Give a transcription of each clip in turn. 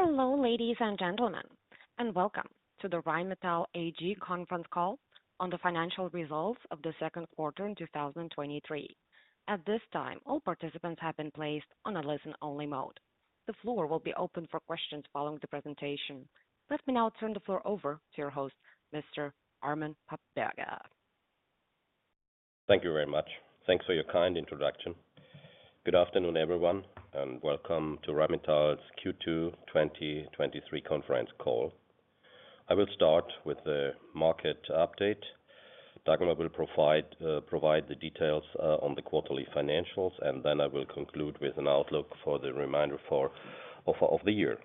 Hello, ladies and gentlemen, and welcome to the Rheinmetall AG conference call on the financial results of the second quarter in 2023. At this time, all participants have been placed on a listen-only mode. The floor will be open for questions following the presentation. Let me now turn the floor over to your host, Mr. Armin Papperger. Thank you very much. Thanks for your kind introduction. Good afternoon, everyone, welcome to Rheinmetall's Q2 2023 conference call. I will start with the market update. Dagmar will provide the details on the quarterly financials, then I will conclude with an outlook for the reminder of the year.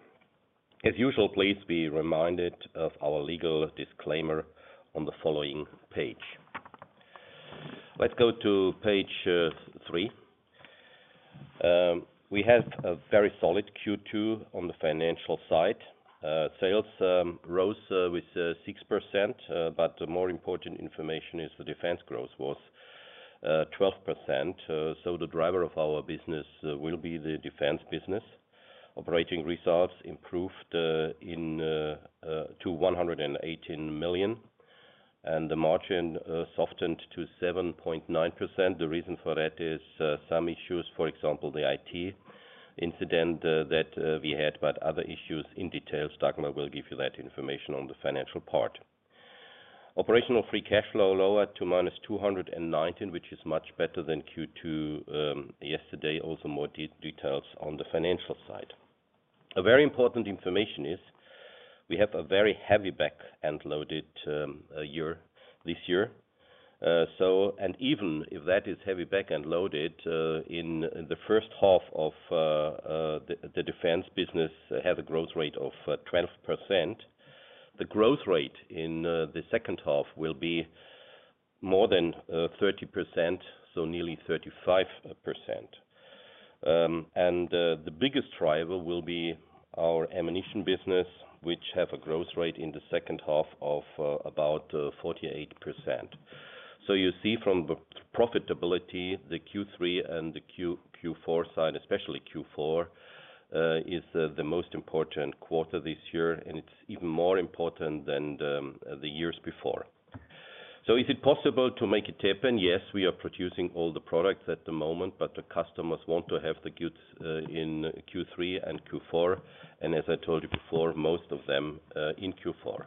As usual, please be reminded of our legal disclaimer on the following page. Let's go to page three. We have a very solid Q2 on the financial side. Sales rose with 6%, the more important information is the defense growth was 12%. The driver of our business will be the defense business. Operating results improved to 118 million, the margin softened to 7.9%. The reason for that is some issues, for example, the IT incident that we had, but other issues in detail, Dagmar will give you that information on the financial part. Operational free cash flow lowered to minus 219, which is much better than Q2 yesterday. More details on the financial side. A very important information is we have a very heavy back-end loaded year this year. Even if that is heavy back-end loaded in the first half of the defense business have a growth rate of 12%. The growth rate in the second half will be more than 30%, so nearly 35%. The biggest driver will be our ammunition business, which have a growth rate in the second half of about 48%. You see from the profitability, the Q3 and the Q, Q4 side, especially Q4, is the most important quarter this year, and it's even more important than the years before. Is it possible to make it happen? Yes, we are producing all the products at the moment, but the customers want to have the goods in Q3 and Q4. As I told you before, most of them in Q4.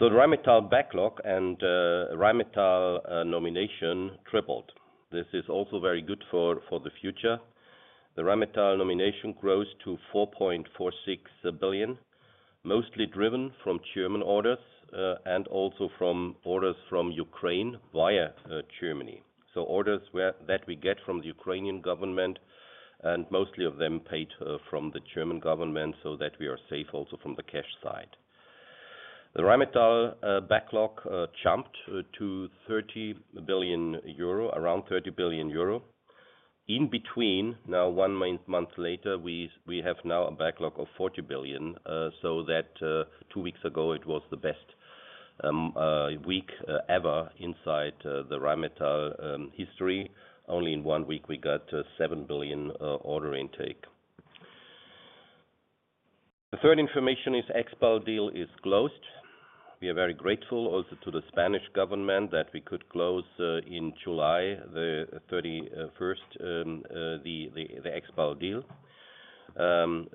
Rheinmetall backlog and Rheinmetall nomination tripled. This is also very good for, for the future. The Rheinmetall nomination grows to 4.46 billion, mostly driven from German orders and also from orders from Ukraine via Germany. Orders where- that we get from the Ukrainian government, and mostly of them paid from the German government, so that we are safe also from the cash side. The Rheinmetall backlog jumped to 30 billion euro, around 30 billion euro. In between, now, one month later, we, we have now a backlog of 40 billion, so that two weeks ago, it was the best week ever inside the Rheinmetall history. Only in one week, we got a 7 billion order intake. The third information is Expal deal is closed. We are very grateful also to the Spanish government that we could close in July, the 31st, the, the, the Expal deal.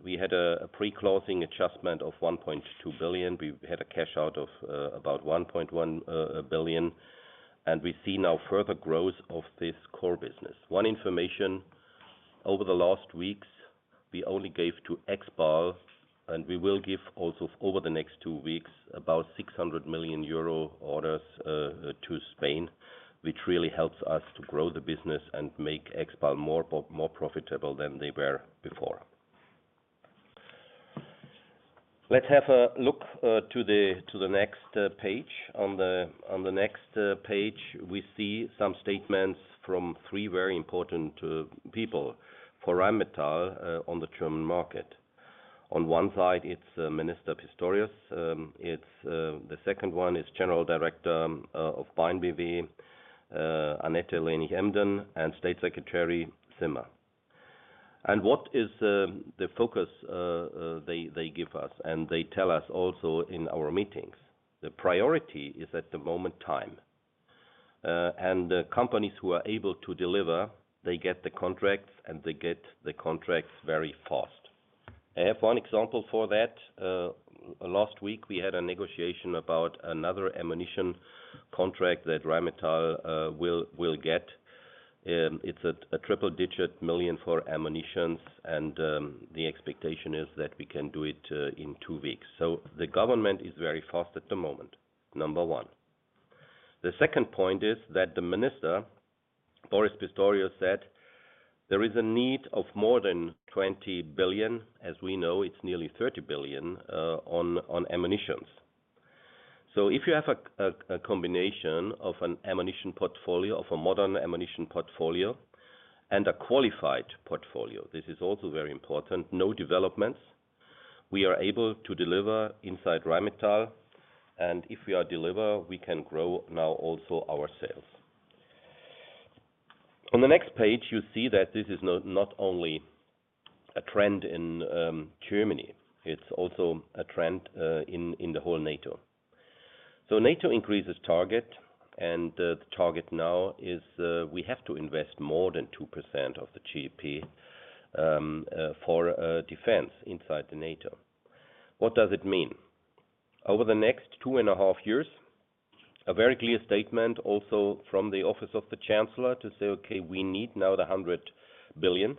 We had a, a pre-closing adjustment of 1.2 billion. We had a cash out of about 1.1 billion, we see now further growth of this core business. One information, over the last weeks, we only gave to Expal, and we will give also over the next two weeks, about 600 million euro orders to Spain, which really helps us to grow the business and make Expal more pro- more profitable than they were before. Let's have a look to the next page. On the next page, we see some statements from three very important people for Rheinmetall on the German market. On one side, it's the Minister Pistorius. It's the second one is General Director of BAAINBw, Annette Heyden and State Secretary Zimmer. What is the focus they give us? They tell us also in our meetings, the priority is at the moment, time. And the companies who are able to deliver, they get the contracts, and they get the contracts very fast. I have one example for that. Last week, we had a negotiation about another ammunition contract that Rheinmetall will, will get. It's a, a EUR triple digit million for ammunitions, and the expectation is that we can do it in two weeks. The government is very fast at the moment, number one. The second point is that the minister, Boris Pistorius, said, "There is a need of more than 20 billion," as we know, it's nearly 30 billion on, on ammunitions. If you have a combination of an ammunition portfolio, of a modern ammunition portfolio and a qualified portfolio, this is also very important, no developments. We are able to deliver inside Rheinmetall, and if we are deliver, we can grow now also our sales. On the next page, you see that this is not, not only a trend in Germany, it's also a trend in, in the whole NATO. NATO increases target, and the target now is, we have to invest more than 2% of the GDP for defense inside the NATO. What does it mean? Over the next two and a half years, a very clear statement also from the Office of the Chancellor to say, "Okay, we need now the 100 billion."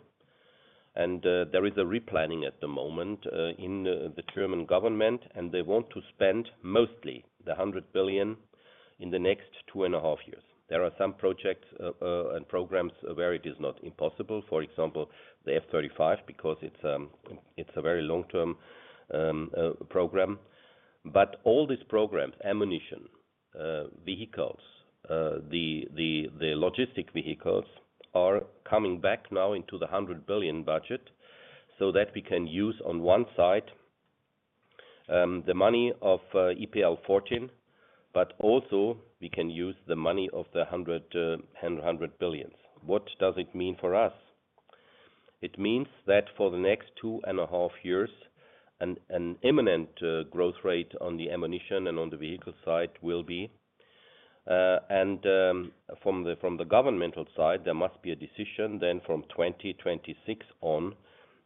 There is a replanning at the moment in the German government, and they want to spend mostly the 100 billion in the next two and a half years. There are some projects and programs where it is not impossible. For example, the F-35, because it's, it's a very long-term program. But all these programs, ammunition, vehicles, the, the, the logistic vehicles are coming back now into the 100 billion budget, so that we can use on one side the money of EPL 14, but also we can use the money of the 100 billion. What does it mean for us? It means that for the next two and a half years, an imminent growth rate on the ammunition and on the vehicle side will be. From the governmental side, there must be a decision then from 2026 on,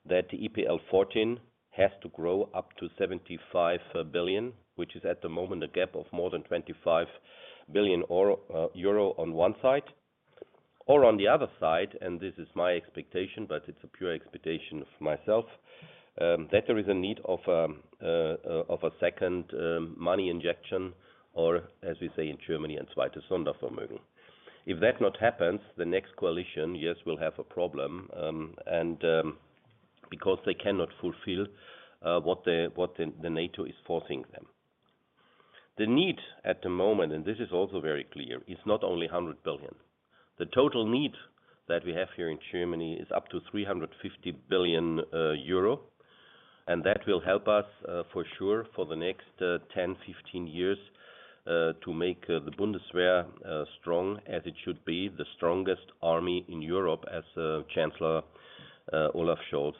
that Einzelplan 14 has to grow up to 75 billion, which is at the moment a gap of more than 25 billion euro on one side. On the other side, this is my expectation, but it's a pure expectation of myself, that there is a need of a second money injection, or as we say in Germany, ein zweites Sondervermögen. If that not happens, the next coalition, yes, will have a problem because they cannot fulfill what the NATO is forcing them. The need at the moment, and this is also very clear, is not only 100 billion. The total need that we have here in Germany is up to 350 billion euro, and that will help us for sure, for the next 10-15 years, to make the Bundeswehr strong as it should be, the strongest army in Europe as Chancellor Olaf Scholz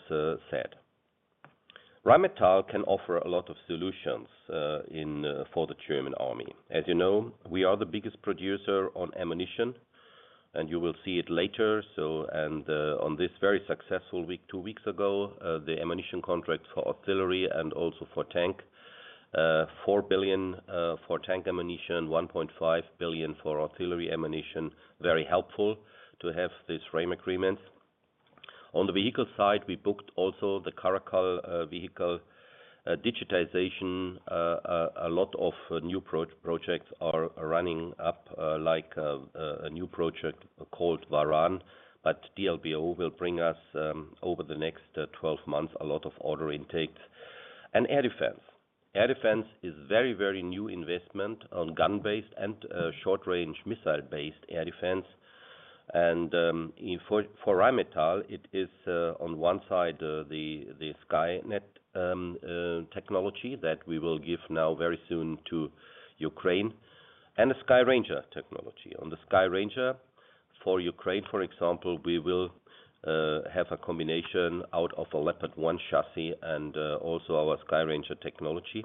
said. Rheinmetall can offer a lot of solutions in for the German Army. As you know, we are the biggest producer on ammunition. You will see it later. On this very successful week, two weeks ago, the ammunition contract for artillery and also for tank, 4 billion for tank ammunition, 1.5 billion for artillery ammunition. Very helpful to have this frame agreements. On the vehicle side, we booked also the Caracal vehicle digitization. A lot of new projects are running up, like a new project called Varan. DLBO will bring us over the next 12 months a lot of order intakes. Air defense. Air defense is very, very new investment on gun-based and short-range missile-based air defense. In for Rheinmetall, it is on one side the Skynet technology that we will give now very soon to Ukraine, and the Skyranger technology. On the Skyranger, for Ukraine, for example, we will have a combination out of a Leopard 1 chassis and also our Skyranger technology.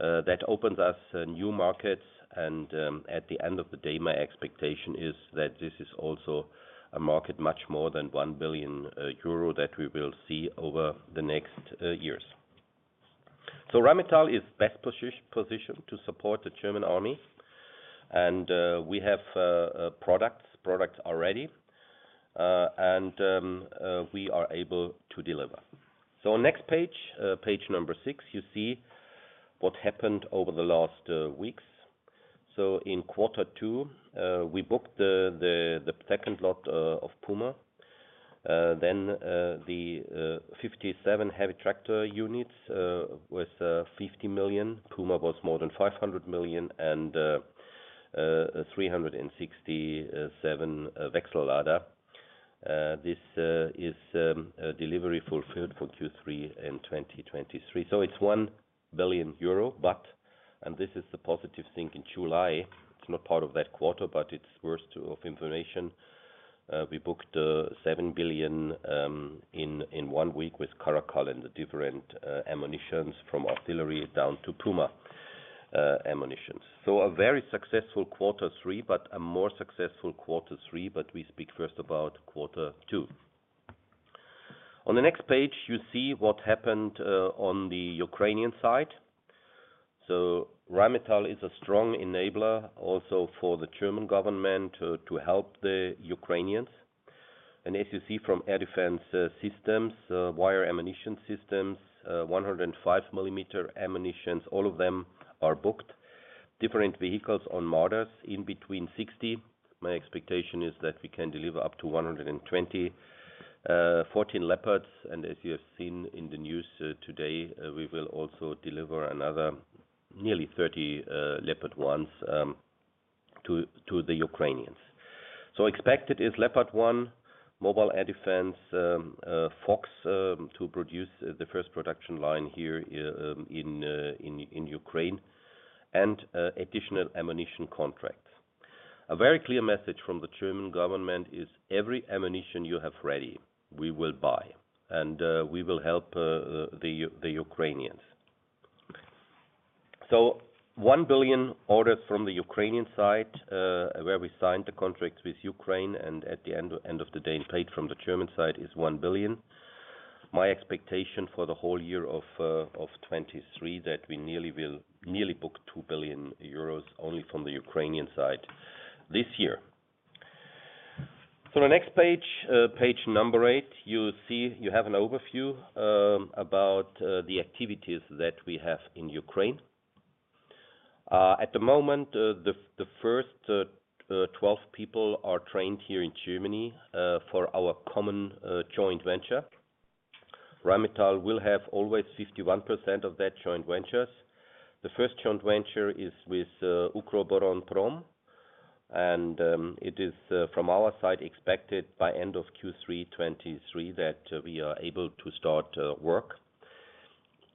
That opens us new markets and at the end of the day, my expectation is that this is also a market much more than 1 billion euro that we will see over the next years. Rheinmetall is best posit-positioned to support the German Army, and we have products, products are ready, and we are able to deliver. Next page, page number six, you see what happened over the last weeks. In Q2, we booked the, the, the second lot of Puma. Then the 57 heavy tractor units with 50 million. Puma was more than 500 million and 367 Wechsellader. This is a delivery fulfilled for Q3 in 2023. It's 1 billion euro, but, and this is the positive thing, in July, it's not part of that quarter, but it's worth information. We booked 7 billion in, in one week with Caracal and the different ammunitions from artillery down to Puma ammunitions. A very successful quarter three, but a more successful quarter three, we speak first about quarter two. On the next page, you see what happened on the Ukrainian side. Rheinmetall is a strong enabler also for the German government to help the Ukrainians. As you see from air defense systems, wire ammunition systems, 105 millimeter ammunitions, all of them are booked. Different vehicles on Marder, in between 60. My expectation is that we can deliver up to 120, 14 Leopards, and as you have seen in the news today, we will also deliver another nearly 30 Leopard 1s to the Ukrainians. Expected is Leopard 1-... mobile air defense, Fuchs, to produce the first production line here in Ukraine, and additional ammunition contracts. A very clear message from the German government is, every ammunition you have ready, we will buy, and we will help the Ukrainians. One billion orders from the Ukrainian side, where we signed the contract with Ukraine, and at the end, end of the day, and paid from the German side, is 1 billion. My expectation for the whole year of 2023, that we nearly will nearly book 2 billion euros only from the Ukrainian side this year. The next page, page number eight, you'll see you have an overview about the activities that we have in Ukraine. At the moment, the first 12 people are trained here in Germany for our common joint venture. Rheinmetall will have always 51% of that joint ventures. The first joint venture is with Ukroboronprom, and it is from our side, expected by end of Q3 2023, that we are able to start work.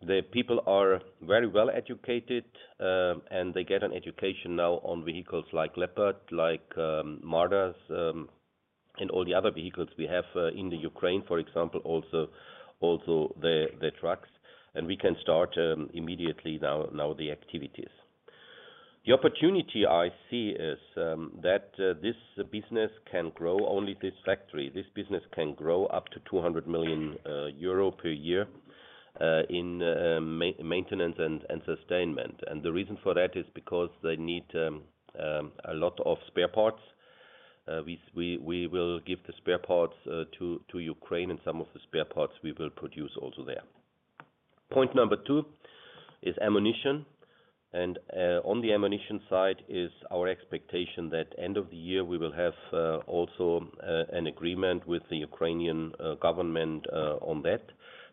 The people are very well educated, and they get an education now on vehicles like Leopard, like Marders, and all the other vehicles we have in Ukraine, for example, also, also the, the trucks. We can start immediately now, now the activities. The opportunity I see is that this business can grow, only this factory. This business can grow up to 200 million euro per year in maintenance and sustainment. The reason for that is because they need a lot of spare parts. We, we, we will give the spare parts to Ukraine, and some of the spare parts we will produce also there. Point number 2 is ammunition, on the ammunition side is our expectation that end of the year, we will have also an agreement with the Ukrainian government on that.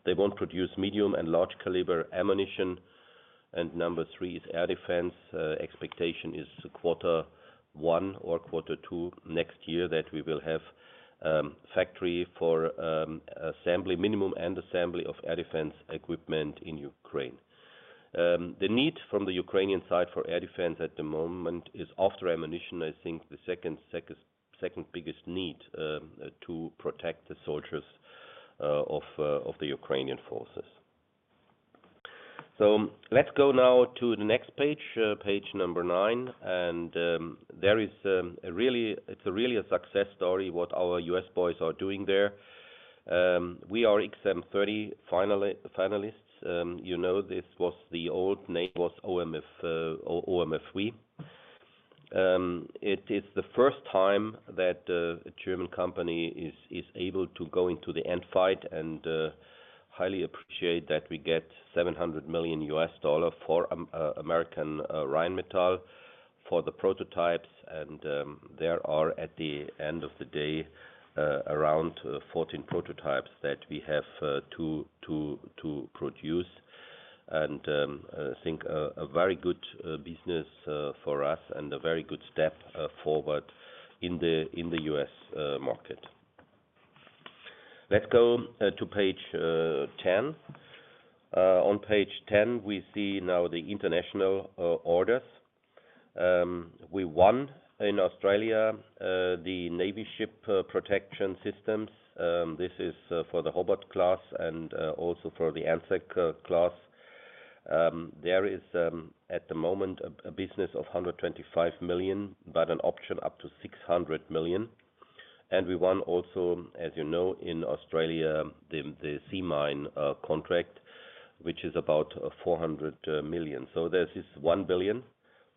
They won't produce medium and large caliber ammunition. Number 3 is air defense. Expectation is quarter 1 or quarter 2 next year, that we will have factory for assembly, minimum and assembly of air defense equipment in Ukraine. The need from the Ukrainian side for air defense at the moment is after ammunition, I think the second, second, second biggest need to protect the soldiers of the Ukrainian forces. Let's go now to the next page, page number nine, there is it's a really a success story, what our U.S. boys are doing there. We are XM30 finalists. You know, this was the old name, was OMF, OMFV. It is the first time that a German company is able to go into the end fight, highly appreciate that we get $700 million for American Rheinmetall for the prototypes. There are, at the end of the day, around 14 prototypes that we have to produce. I think, a very good business for us, and a very good step forward in the U.S. market. Let's go to page 10. On page 10, we see now the international orders. We won in Australia, the Navy ship protection systems. This is for the Hobart class and also for the Anzac class. There is at the moment a business of 125 million, but an option up to 600 million. We won also, as you know, in Australia, the sea mine contract, which is about 400 million. This is 1 billion.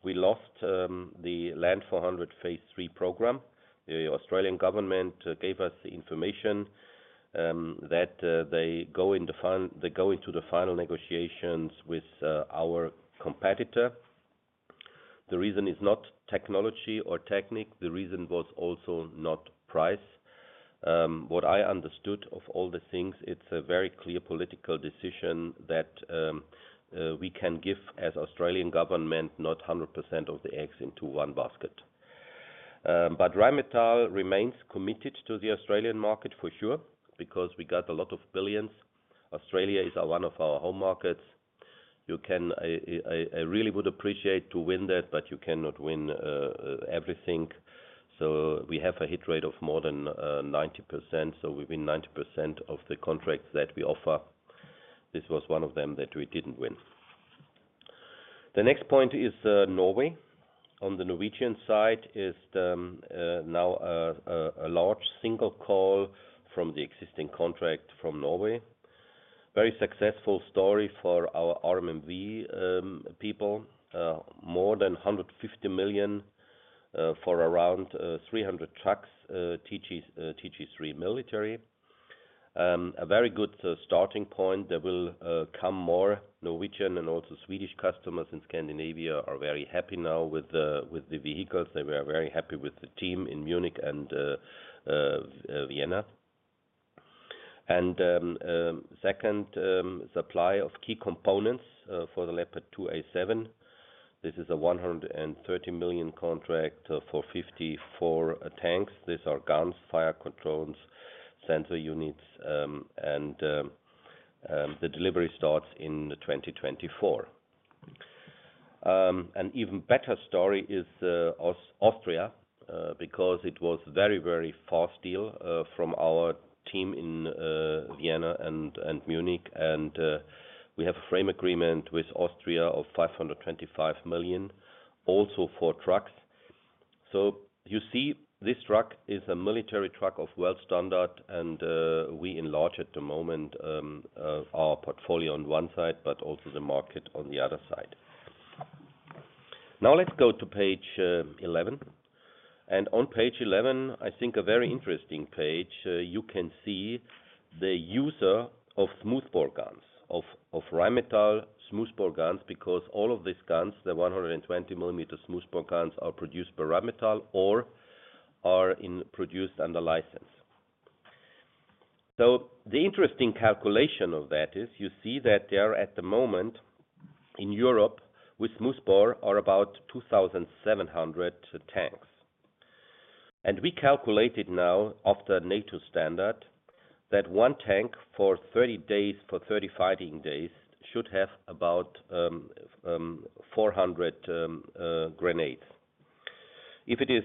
We lost the Land 400 Phase 3 program. The Australian government gave us the information that they go into the final negotiations with our competitor. The reason is not technology or technique, the reason was also not price. What I understood of all the things, it's a very clear political decision that we can give, as Australian government, not 100% of the eggs into one basket. Rheinmetall remains committed to the Australian market for sure, because we got a lot of billions. Australia is our, one of our home markets. I, I, I really would appreciate to win that, you cannot win everything. We have a hit rate of more than 90%, so we win 90% of the contracts that we offer. This was one of them that we didn't win. The next point is Norway. On the Norwegian side is now a large single call from the existing contract from Norway. Very successful story for our RMMV people. More than 150 million for around 300 trucks, TG3 military. A very good starting point. There will come more Norwegian and also Swedish customers, and Scandinavia are very happy now with the vehicles. They were very happy with the team in Munich and Vienna. Second supply of key components for the Leopard 2A7. This is a 130 million contract for 54 tanks. These are guns, fire controls, sensor units, and the delivery starts in 2024. An even better story is Austria, because it was very, very fast deal from our team in Vienna and Munich, and we have a frame agreement with Austria of 525 million, also for trucks. You see, this truck is a military truck of world standard, and we enlarge at the moment our portfolio on one side, but also the market on the other side. Let's go to page 11. On page 11, I think a very interesting page, you can see the user of smoothbore guns, of Rheinmetall smoothbore guns, because all of these guns, the 120 millimeter smoothbore guns, are produced by Rheinmetall or are produced under license. The interesting calculation of that is, you see that there are, at the moment in Europe, with smoothbore, are about 2,700 tanks. We calculated now of the NATO standard, that one tank for 30 days, for 30 fighting days, should have about 400 grenades. If it is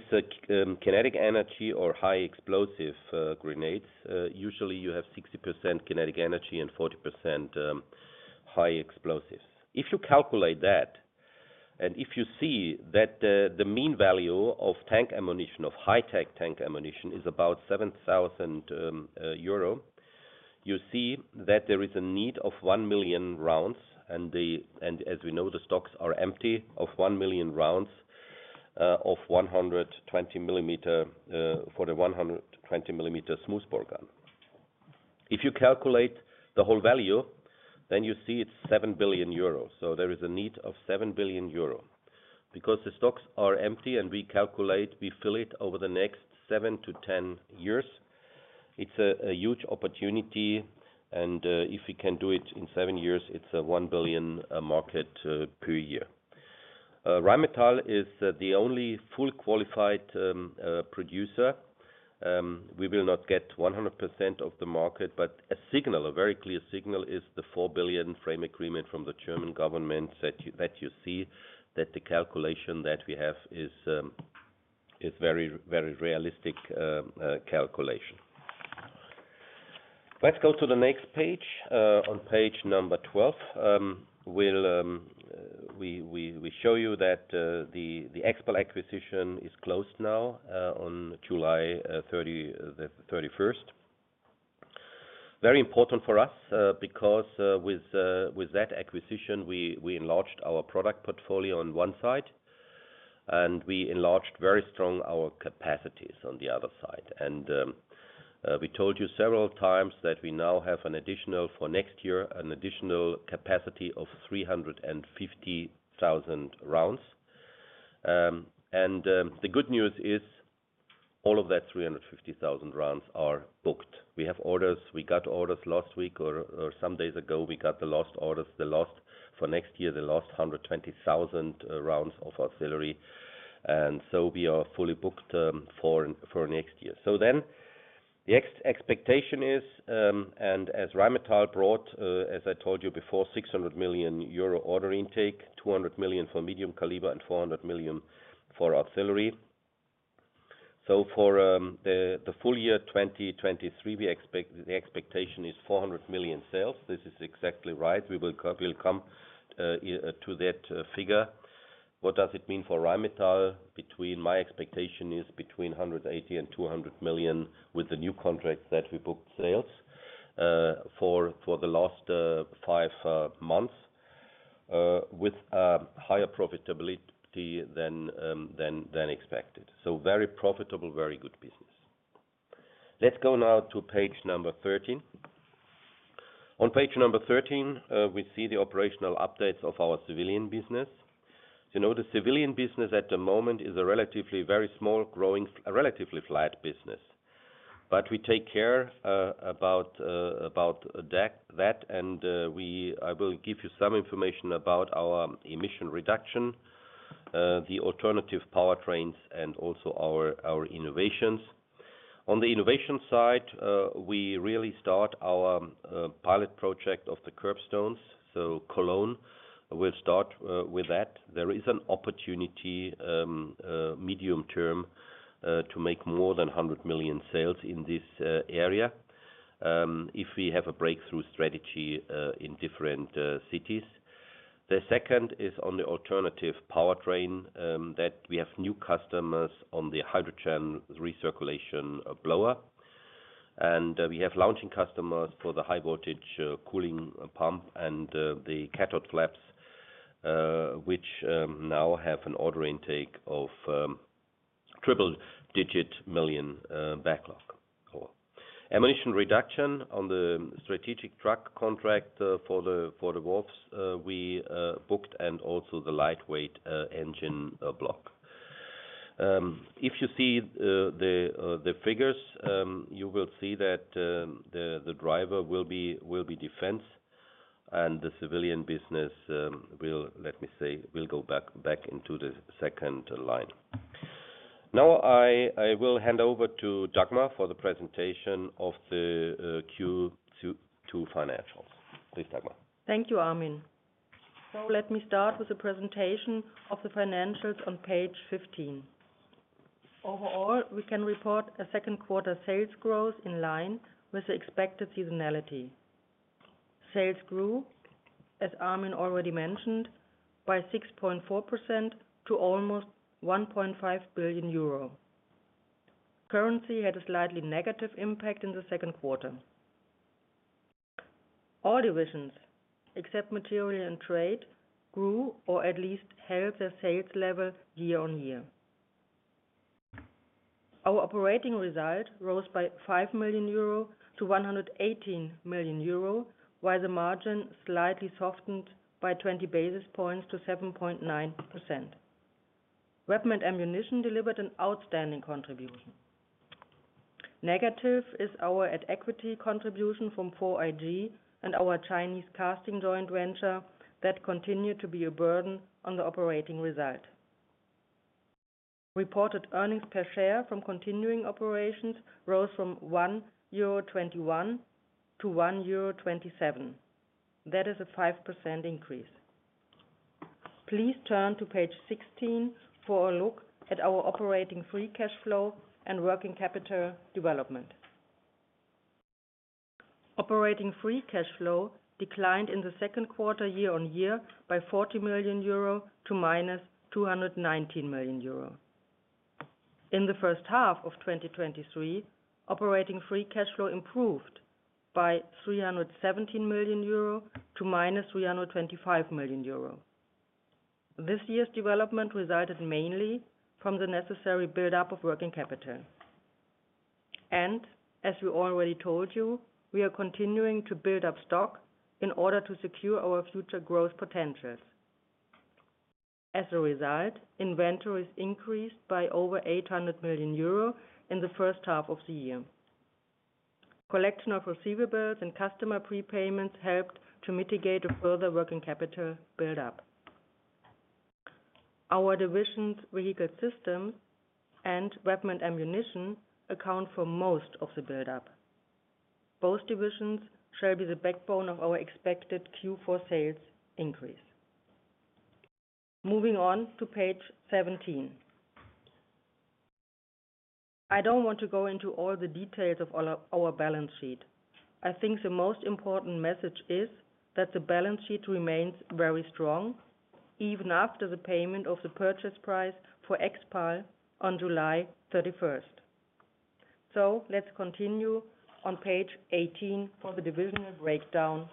kinetic energy or high explosive grenades, usually you have 60% kinetic energy and 40% high explosives. If you calculate that, and if you see that, the mean value of tank ammunition, of high-tech tank ammunition, is about 7,000 euro. You see that there is a need of 1 million rounds, and as we know, the stocks are empty of 1 million rounds of 120 millimeter, for the 120 millimeter smoothbore gun. If you calculate the whole value, then you see it's 7 billion euros. There is a need of 7 billion euros. Because the stocks are empty and we calculate, we fill it over the next 7-10 years. It's a huge opportunity, and if we can do it in 7 years, it's a 1 billion market per year. Rheinmetall is the only full qualified producer. We will not get 100% of the market, but a signal, a very clear signal, is the 4 billion frame agreement from the German government, that you, that you see, that the calculation that we have is very, very realistic calculation. Let's go to the next page. On page number 12, we show you that the Expal acquisition is closed now on July 30, the 31st. Very important for us, because with that acquisition, we enlarged our product portfolio on one side, and we enlarged very strong our capacities on the other side. We told you several times that we now have an additional, for next year, an additional capacity of 350,000 rounds. The good news is, all of that 350,000 rounds are booked. We have orders, we got orders last week, or, or some days ago, we got the last orders, the last for next year, the last 120,000 rounds of artillery. We are fully booked for next year. The expectation is, as Rheinmetall brought, as I told you before, 600 million euro order intake, 200 million for medium caliber and 400 million for artillery. For the full-year 2023, the expectation is 400 million sales. This is exactly right. We will come to that figure. What does it mean for Rheinmetall? My expectation is between 180 million and 200 million, with the new contracts that we booked sales for the last five months, with higher profitability than expected. Very profitable, very good business. Let's go now to page number 13. On page number 13, we see the operational updates of our civilian business. You know, the civilian business at the moment is a relatively, very small, growing, a relatively flat business. We take care about that, and I will give you some information about our emission reduction, the alternative powertrains, and also our innovations. On the innovation side, we really start our pilot project of the kerbstones. Cologne, we'll start with that. There is an opportunity, medium term, to make more than 100 million sales in this area, if we have a breakthrough strategy in different cities. The second is on the alternative powertrain, that we have new customers on the hydrogen recirculation blower. We have launching customers for the high voltage cooling pump and the cathode valves, which now have an order intake of triple-digit million backlog. Ammunition reduction on the strategic truck contract for the wolves, we booked and also the lightweight engine block.... If you see, the, the figures, you will see that, the, the driver will be, will be defense, and the civilian business, will, let me say, will go back, back into the second line. Now I, I will hand over to Dagmar for the presentation of the Q2 financials. Please, Dagmar. Thank you, Armin. Let me start with the presentation of the financials on page 15. Overall, we can report a second quarter sales growth in line with the expected seasonality. Sales grew, as Armin already mentioned, by 6.4% to almost 1.5 billion euro. Currency had a slightly negative impact in the second quarter. All divisions, except Materials and Trade, grew or at least held their sales level year-over-year. Our operating result rose by 5 million euro to 118 million euro, while the margin slightly softened by 20 basis points to 7.9%. Weapon and Ammunition delivered an outstanding contribution. Negative is our at equity contribution from 4iG and our Chinese casting joint venture that continued to be a burden on the operating result. Reported earnings per share from continuing operations rose from 1.21 euro to 1.27 euro. That is a 5% increase. Please turn to page 16 for a look at our operating free cash flow and working capital development. Operating free cash flow declined in the second quarter, year-over-year, by 40 million euro to minus 219 million euro. In the first half of 2023, operating free cash flow improved by 317 million euro to minus 325 million euro. This year's development resulted mainly from the necessary buildup of working capital. As we already told you, we are continuing to build up stock in order to secure our future growth potentials. As a result, inventories increased by over 800 million euro in the first half of the year. Collection of receivables and customer prepayments helped to mitigate a further working capital buildup. Our divisions, Vehicle Systems and Weapon Ammunition, account for most of the buildup. Both divisions shall be the backbone of our expected Q4 sales increase. Moving on to page 17. I don't want to go into all the details of our balance sheet. I think the most important message is that the balance sheet remains very strong, even after the payment of the purchase price for Expal on July 31st. Let's continue on page 18 for the divisional breakdown.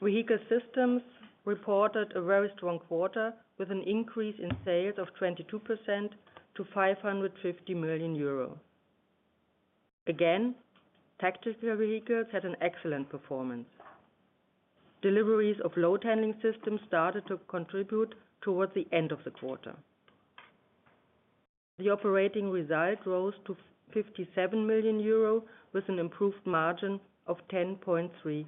Vehicle Systems reported a very strong quarter, with an increase in sales of 22% to 550 million euro. Again, tactical vehicles had an excellent performance. Deliveries of load handling systems started to contribute towards the end of the quarter. The operating result rose to 57 million euro, with an improved margin of 10.3%.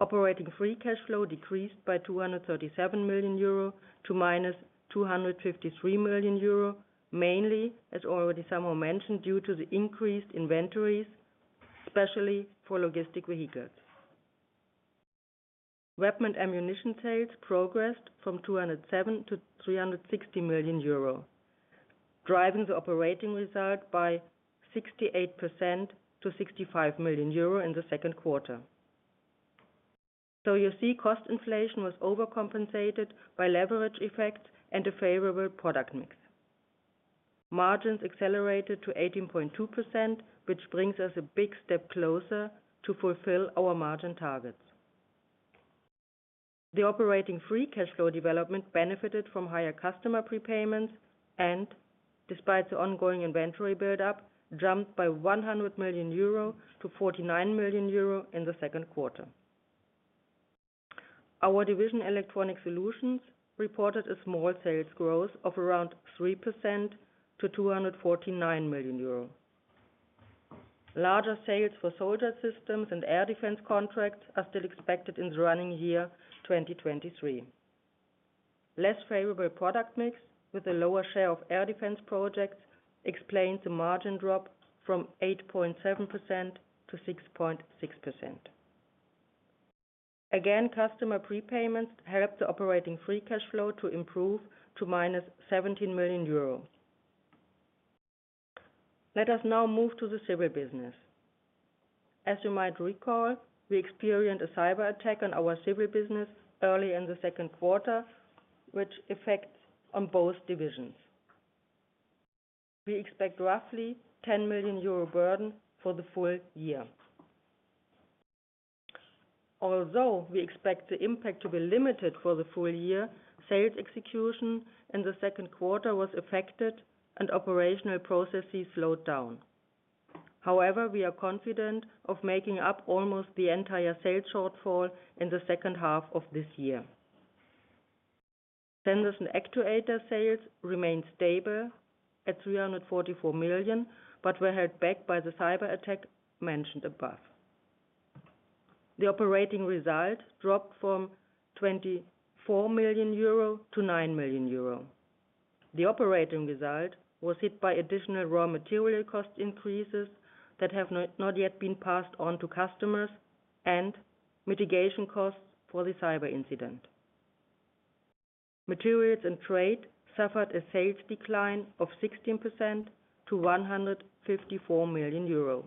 Operating free cash flow decreased by 237 million euro to minus 253 million euro, mainly, as already somehow mentioned, due to the increased inventories, especially for logistic vehicles. Weapon ammunition sales progressed from 207 million to 360 million euro, driving the operating result by 68% to 65 million euro in the second quarter. You see, cost inflation was overcompensated by leverage effect and a favorable product mix. Margins accelerated to 18.2%, which brings us a big step closer to fulfill our margin targets. The operating free cash flow development benefited from higher customer prepayments, and despite the ongoing inventory buildup, jumped by 100 million euro to 49 million euro in the second quarter. Our division, Electronic Solutions, reported a small sales growth of around 3% to 249 million euro. Larger sales for soldier systems and air defense contracts are still expected in the running year, 2023. Less favorable product mix, with a lower share of air defense projects, explains the margin drop from 8.7% to 6.6%. Again, customer prepayments helped the operating free cash flow to improve to minus 17 million euro. Let us now move to the civil business. As you might recall, we experienced a cyber attack on our civil business early in the second quarter, which affects on both divisions. We expect roughly 10 million euro burden for the full-year. Although we expect the impact to be limited for the full-year, sales execution in the second quarter was affected and operational processes slowed down.... We are confident of making up almost the entire sales shortfall in the second half of this year. Sensors and Actuators sales remained stable at 344 million, but were held back by the cyberattack mentioned above. The operating result dropped from 24 million euro to 9 million euro. The operating result was hit by additional raw material cost increases that have not yet been passed on to customers, and mitigation costs for the cyber incident. Materials and Trade suffered a sales decline of 16% to 154 million euro.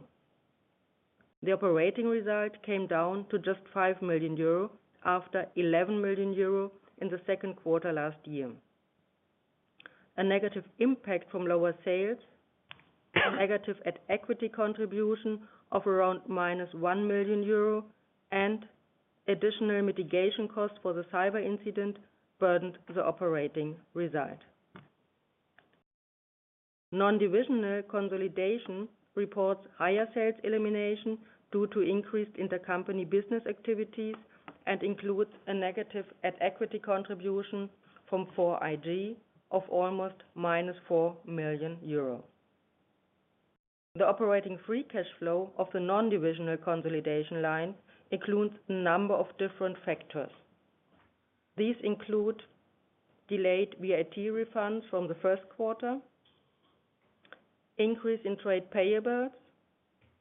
The operating result came down to just 5 million euro, after 11 million euro in the second quarter last year. A negative impact from lower sales, a negative at equity contribution of around -1 million euro, and additional mitigation costs for the cyber incident burdened the operating result. Non-divisional consolidation reports higher sales elimination due to increased intercompany business activities, and includes a negative at equity contribution from 4iG of almost -4 million euro. The operating free cash flow of the non-divisional consolidation line includes a number of different factors. These include delayed VAT refunds from the first quarter, increase in trade payables,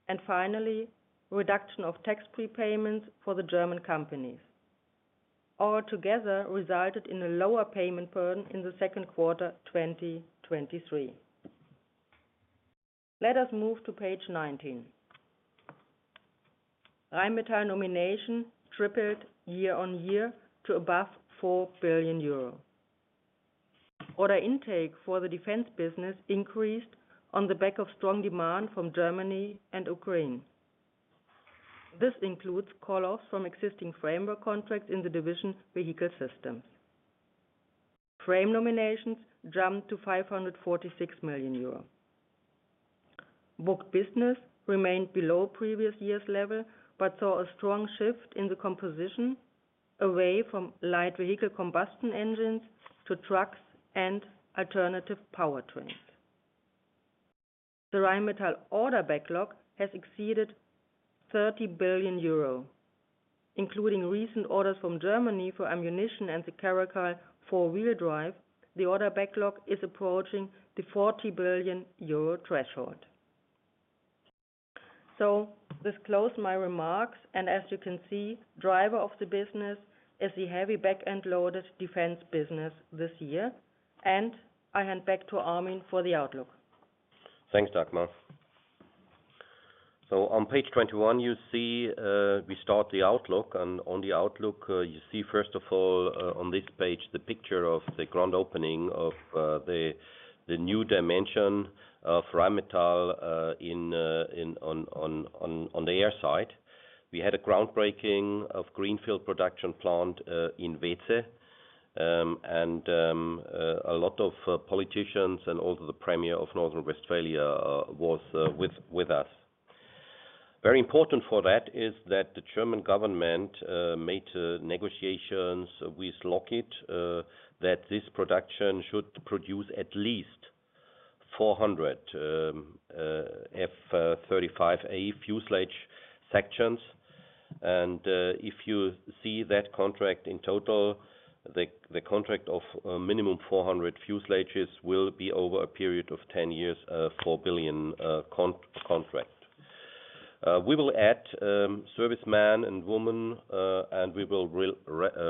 and finally, reduction of tax prepayments for the German companies. All together resulted in a lower payment burden in the second quarter, 2023. Let us move to page 19. Rheinmetall nomination tripled year-on-year to above 4 billion euro. Order intake for the defense business increased on the back of strong demand from Germany and Ukraine. This includes call offs from existing framework contracts in the division Vehicle Systems. Frame nominations jumped to 546 million euro. Booked business remained below previous year's level, saw a strong shift in the composition away from light vehicle combustion engines to trucks and alternative powertrains. The Rheinmetall order backlog has exceeded 30 billion euro, including recent orders from Germany for ammunition and the Caracal 4-wheel drive. The order backlog is approaching the EUR 40 billion threshold. This close my remarks. As you can see, driver of the business is the heavy back-end loaded defense business this year, and I hand back to Armin for the outlook. Thanks, Dagmar. On page 21, you see, we start the outlook. On the outlook, you see, first of all, on this page, the picture of the grand opening of the new dimension of Rheinmetall in on the air side. We had a groundbreaking of greenfield production plant in Weeze. A lot of politicians and also the Premier of Northern Territory was with us. Very important for that is that the German government made negotiations with Lockheed Martin that this production should produce at least 400 F-35A fuselage sections. If you see that contract in total, the contract of minimum 400 fuselages will be over a period of 10 years, 4 billion contract. We will add servicemen and women, and we will re-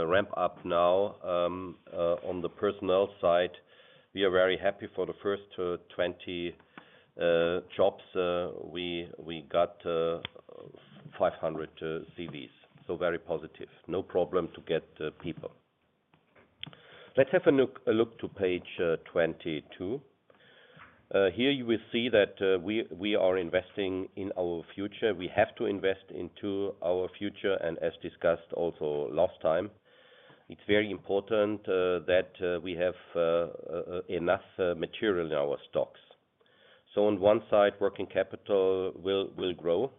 ramp up now on the personnel side. We are very happy for the first 20 jobs, we, we got 500 CVs, so very positive. No problem to get people. Let's have a look, a look to page 22. Here you will see that we, we are investing in our future. We have to invest into our future, and as discussed also last time, it's very important that we have enough material in our stocks. So on one side, working capital will, will grow.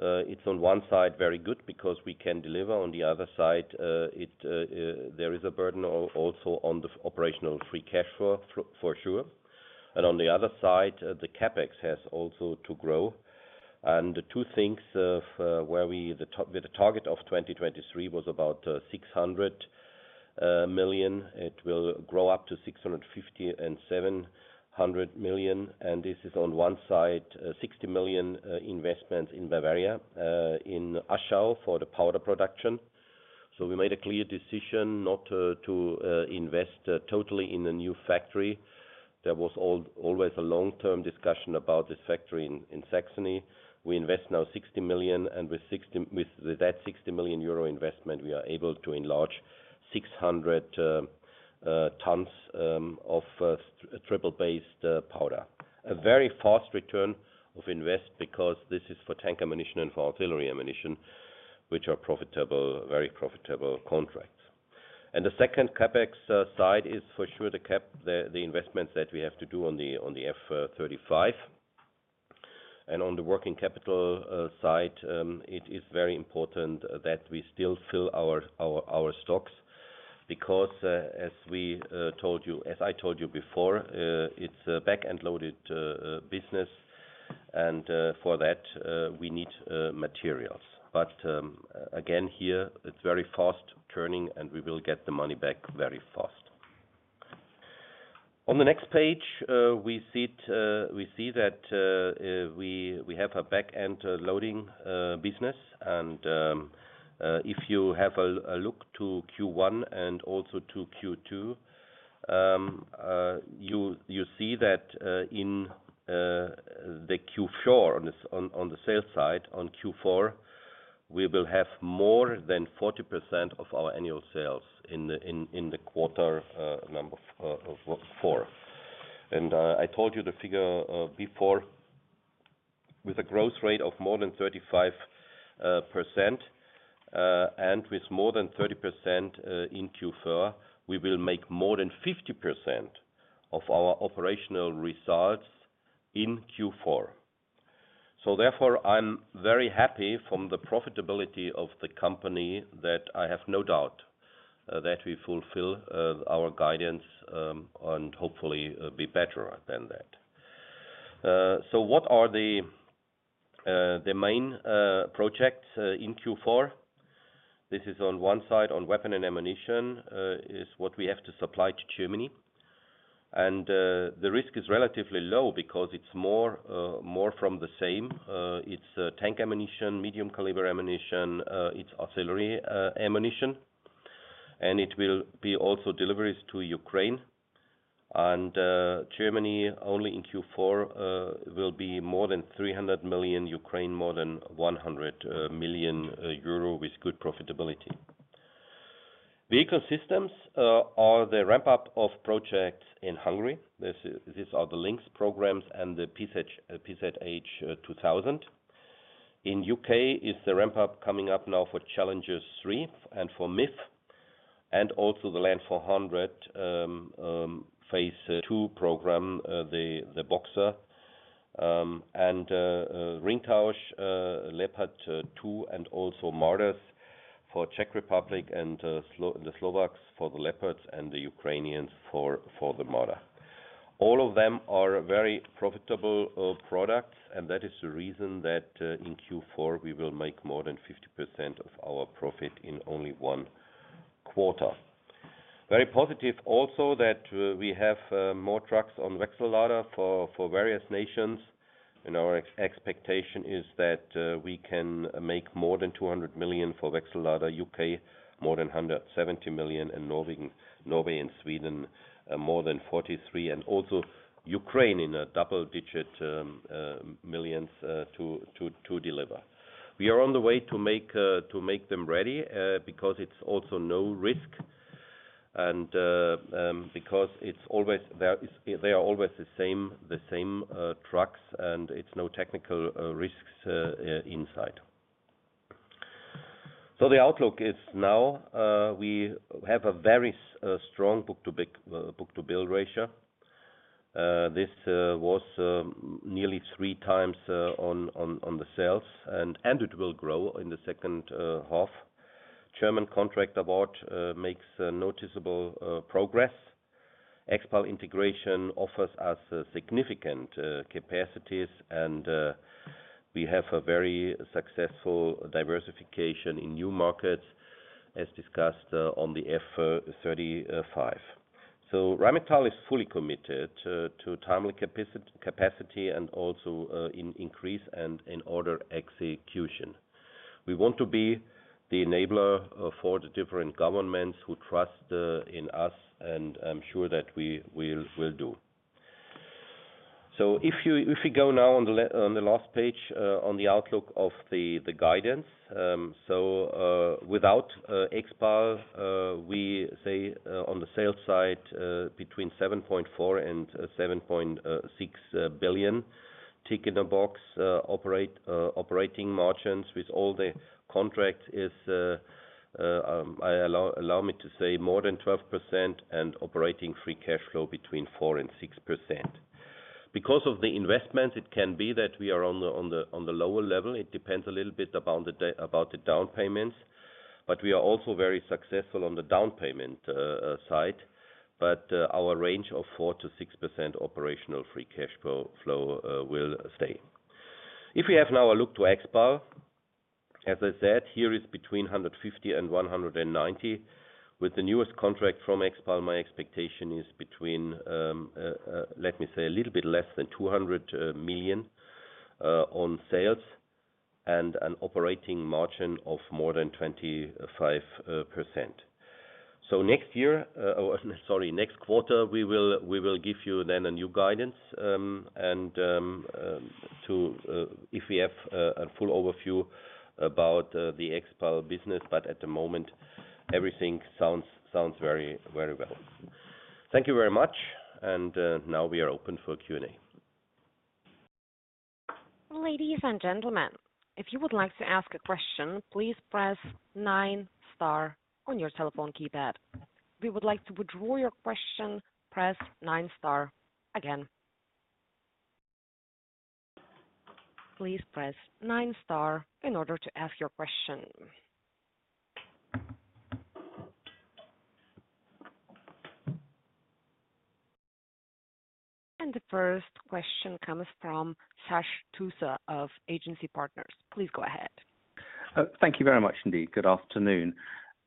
It's on one side, very good, because we can deliver. On the other side, it, there is a burden also on the operational free cash flow, for, for sure. On the other side, the CapEx has also to grow. The two things of the target of 2023 was about 600 million. It will grow up to 650 million and 700 million, and this is on one side, 60 million investments in Bavaria, in Aschau for the powder production. We made a clear decision not to invest totally in a new factory. There was always a long-term discussion about this factory in Saxony. We invest now 60 million, and with that 60 million euro investment, we are able to enlarge 600 tons of triple-base powder. A very fast return of invest because this is for tank ammunition and for artillery ammunition, which are profitable, very profitable contracts. The second CapEx side is for sure the investments that we have to do on the F-35. On the working capital side, it is very important that we still fill our, our, our stocks, because as I told you before, it's a back-end loaded business, and for that, we need materials. Again, here, it's very fast turning, and we will get the money back very fast. On the next page, we see it, we see that we, we have a back-end loading business. If you have a look to Q1 and also to Q2, you see that, in, the Q4 on the sales side, on Q4, we will have more than 40% of our annual sales in the quarter, number four. I told you the figure, before, with a growth rate of more than 35%, and with more than 30%, in Q4, we will make more than 50% of our operational results in Q4. Therefore, I'm very happy from the profitability of the company, that I have no doubt, that we fulfill, our guidance, and hopefully, be better than that. What are the main projects, in Q4? This is on one side, on Weapon and Ammunition, is what we have to supply to Germany. The risk is relatively low because it's more, more from the same. It's a tank ammunition, medium caliber ammunition, it's auxiliary ammunition, and it will be also deliveries to Ukraine. Germany, only in Q4, will be more than 300 million, Ukraine, more than 100 million euro with good profitability. Vehicle Systems are the ramp up of projects in Hungary. This is, these are the Lynx programs and the PzH 2000. In U.K., is the ramp up coming up now for Challenger 3 and for MIV, and also the Land 400 Phase 2 program, the Boxer. Ringtausch, Leopard 2, and also Marders for Czech Republic and the Slovaks for the Leopards and the Ukrainians for, for the Marder. All of them are very profitable products, and that is the reason that in Q4, we will make more than 50% of our profit in only one quarter. Very positive also, that we have more trucks on Wechsellader for, for various nations. Our expectation is that we can make more than 200 million for Wechsellader, UK, more than 170 million, Norway and Sweden, more than 43 million, and also Ukraine in EUR double-digit millions to deliver. We are on the way to make, to make them ready, because it's also no risk, and because it's always there, they are always the same, the same trucks, and it's no technical risks inside. The outlook is now, we have a very strong book to big book to bill ratio. This was nearly 3 times on the sales, and it will grow in the second half. German contract award makes a noticeable progress. Expal integration offers us significant capacities, and we have a very successful diversification in new markets, as discussed on the F-35. Rheinmetall is fully committed to, to timely capacity and also in increase and in order execution. We want to be the enabler for the different governments who trust in us, and I'm sure that we, we will, will do. If you, if we go now on the on the last page on the outlook of the, the guidance. without Expal, we say on the sales side between 7.4 billion and 7.6 billion. Tick in the box, operate operating margins with all the contracts is I allow, allow me to say more than 12% and operating free cash flow between 4% and 6%. Because of the investments, it can be that we are on the, on the, on the lower level. It depends a little bit about the down payments, we are also very successful on the down payment side. Our range of 4%-6% operational free cash flow will stay. If we have now a look to Expal, as I said, here is between 150 million and 190 million. With the newest contract from Expal, my expectation is between, let me say a little bit less than 200 million on sales, and an operating margin of more than 25%. Next year, or sorry, next quarter, we will, we will give you then a new guidance, and to if we have a full overview about the Expal business, but at the moment, everything sounds, sounds very, very well. Thank you very much, and, now we are open for Q&A.... Ladies and gentlemen, if you would like to ask a question, please press nine star on your telephone keypad. If you would like to withdraw your question, press nine star again. Please press nine star in order to ask your question. The first question comes from Sascha Tusa of Agency Partners. Please go ahead. Thank you very much indeed. Good afternoon.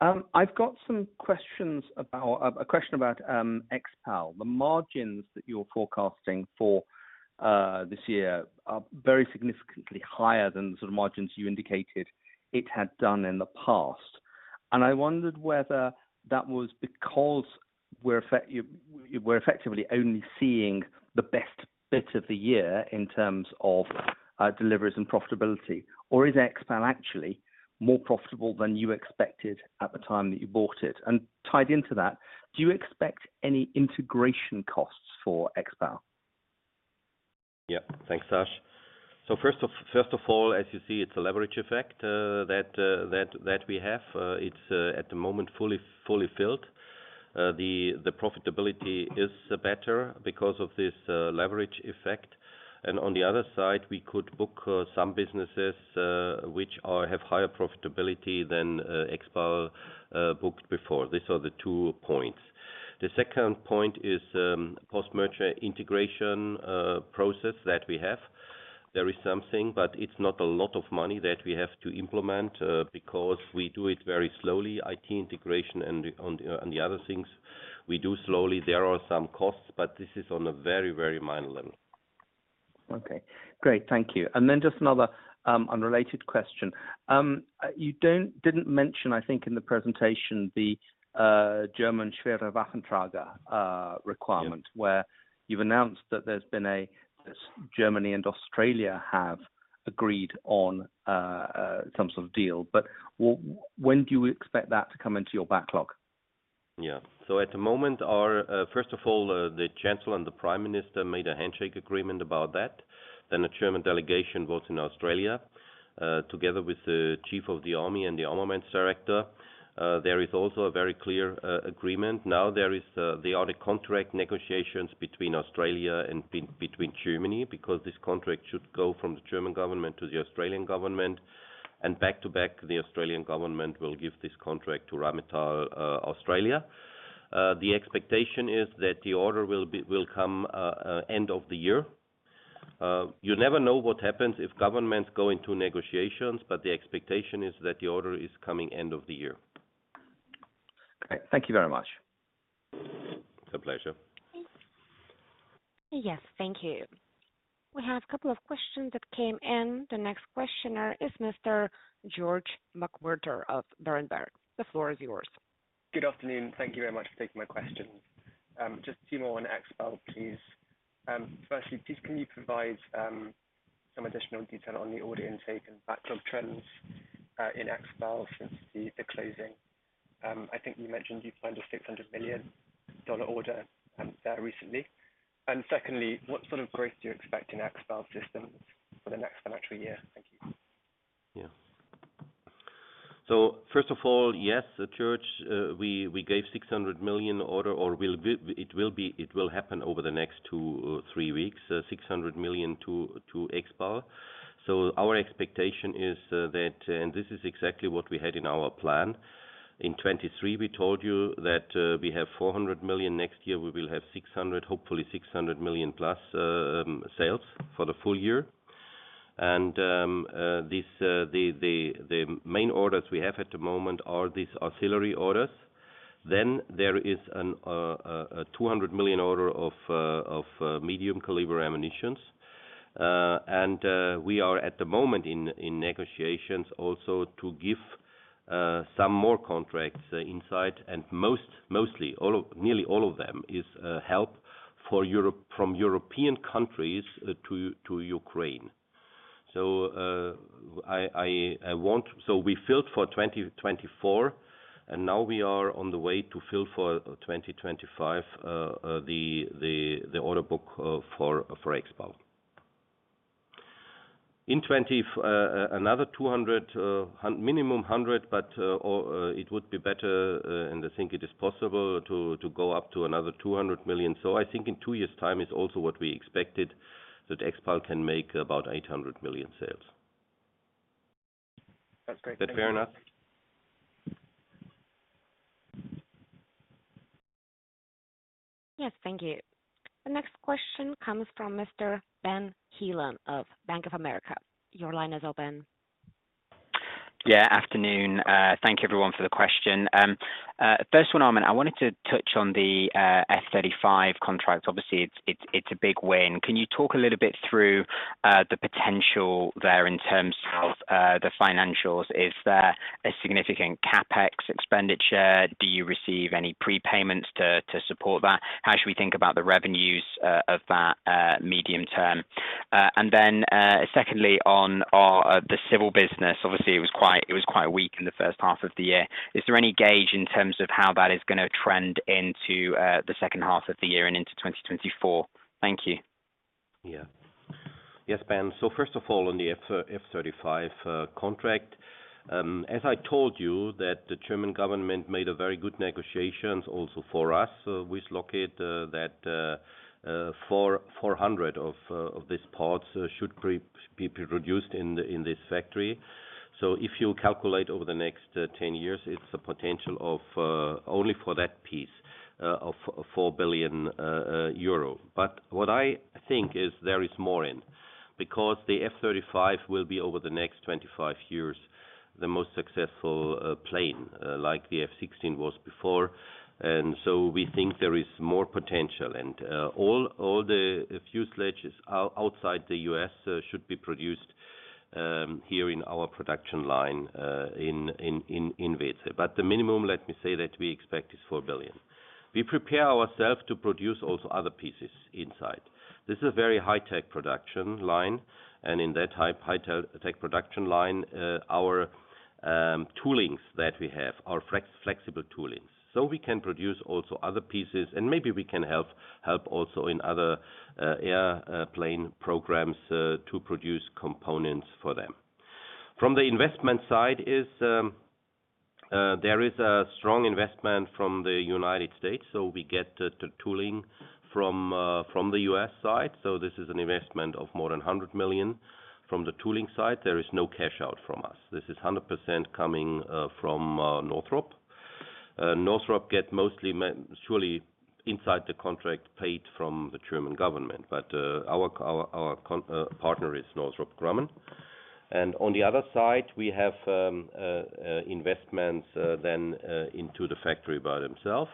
I've got some questions about a question about Expal. The margins that you're forecasting for this year are very significantly higher than the sort of margins you indicated it had done in the past. I wondered whether that was because we're effectively only seeing the best bit of the year in terms of deliveries and profitability, or is Expal actually more profitable than you expected at the time that you bought it? Tied into that, do you expect any integration costs for Expal? Yeah. Thanks, Sash. First of all, as you see, it's a leverage effect that we have. It's at the moment, fully, fully filled. The profitability is better because of this leverage effect. On the other side, we could book some businesses which have higher profitability than Expal booked before. These are the two points. The second point is post-merger integration process that we have. There is something, but it's not a lot of money that we have to implement because we do it very slowly, IT integration and the other things we do slowly. There are some costs, but this is on a very, very minor level. Okay. Great. Thank you. Just another unrelated question. didn't mention, I think, in the presentation, the German Schwerer Waffenträger requirement... Yeah where you've announced that there's been a, Germany and Australia have agreed on, some sort of deal. When do you expect that to come into your backlog? Yeah. At the moment, our first of all, the Chancellor and the Prime Minister made a handshake agreement about that. The German delegation was in Australia, together with the Chief of the Army and the Armaments Director. There is also a very clear agreement. There is, there are contract negotiations between Australia and between Germany, because this contract should go from the German government to the Australian government, and back-to-back, the Australian government will give this contract to Rheinmetall Australia. The expectation is that the order will be, will come end of the year. You never know what happens if governments go into negotiations, but the expectation is that the order is coming end of the year. Okay. Thank you very much. It's a pleasure. Yes, thank you. We have a couple of questions that came in. The next questioner is Mr. George McWhirter of Berenberg. The floor is yours. Good afternoon. Thank you very much for taking my question. Just two more on Expal, please. Firstly, please, can you provide some additional detail on the order intake and backlog trends in Expal since the closing? I think you mentioned you found a $600 million order there recently. Secondly, what sort of growth do you expect in Expal Systems for the next financial year? Thank you. Yeah. First of all, yes, George, we, we gave 600 million order or will be, it will be, it will happen over the next 2-3 weeks, 600 million to Expal. Our expectation is that this is exactly what we had in our plan, in 2023, we told you that we have 400 million. Next year, we will have 600 million, hopefully 600 million+ sales for the full-year. This, the, the, the main orders we have at the moment are these auxiliary orders. There is an 200 million order of medium caliber ammunitions. We are at the moment in, in negotiations also to give some more contracts inside. Most, mostly, all of, nearly all of them is help for Europe- from European countries to Ukraine. I, I, I want-- so we filled for 2024, and now we are on the way to fill for 2025 the order book for Expal. In 20, another 200, minimum 100, but or it would be better, and I think it is possible to go up to another 200 million. I think in two years' time, is also what we expected, that Expal can make about 800 million sales. That's great. Is that fair enough? Yes. Thank you. The next question comes from Mr. Benjamin Heelan of Bank of America. Your line is open. Yeah, afternoon. Thank you everyone for the question. First one, Armin, I wanted to touch on the F-35 contract. Obviously, it's, it's, it's a big win. Can you talk a little bit through the potential there in terms of the financials? Is there a significant CapEx expenditure? Do you receive any prepayments to support that? How should we think about the revenues of that medium term? Secondly, on the civil business, obviously, it was quite, it was quite weak in the first half of the year. Is there any gauge in terms of how that is gonna trend into the second half of the year and into 2024? Thank you. Yes, Ben. First of all, on the F-35 contract, as I told you, that the German government made a very good negotiations also for us. We locate that 400 of these parts should be produced in this factory. If you calculate over the next 10 years, it's a potential of only for that piece of 4 billion euro. What I think is there is more in, because the F-35 will be, over the next 25 years, the most successful plane, like the F-16 was before. We think there is more potential. All the fuselages outside the US should be produced here in our production line in Wetzlar. The minimum, let me say, that we expect is $4 billion. We prepare ourself to produce also other pieces inside. This is a very high tech production line, and in that high tech production line, our toolings that we have are flexible toolings. We can produce also other pieces, and maybe we can help also in other air plane programs to produce components for them. From the investment side is, there is a strong investment from the United States, we get the tooling from the US side. This is an investment of more than $100 million. From the tooling side, there is no cash out from us. This is 100% coming from Northrop Grumman. Northrop Grumman get mostly surely inside the contract, paid from the German government, but our, our, our partner is Northrop Grumman. On the other side, we have investments then into the factory by themselves.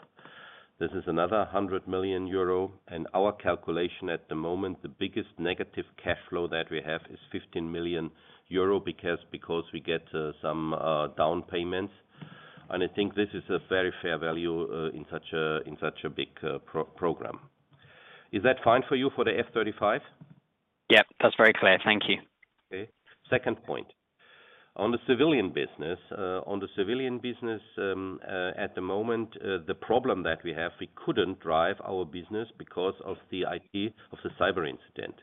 This is another 100 million euro. Our calculation at the moment, the biggest negative cash flow that we have is 15 million euro, because, because we get some down payments. I think this is a very fair value in such a, in such a big program. Is that fine for you for the F-35? Yep, that's very clear. Thank you. Okay. Second point, on the civilian business, on the civilian business, at the moment, the problem that we have, we couldn't drive our business because of the IT of the cyber incident.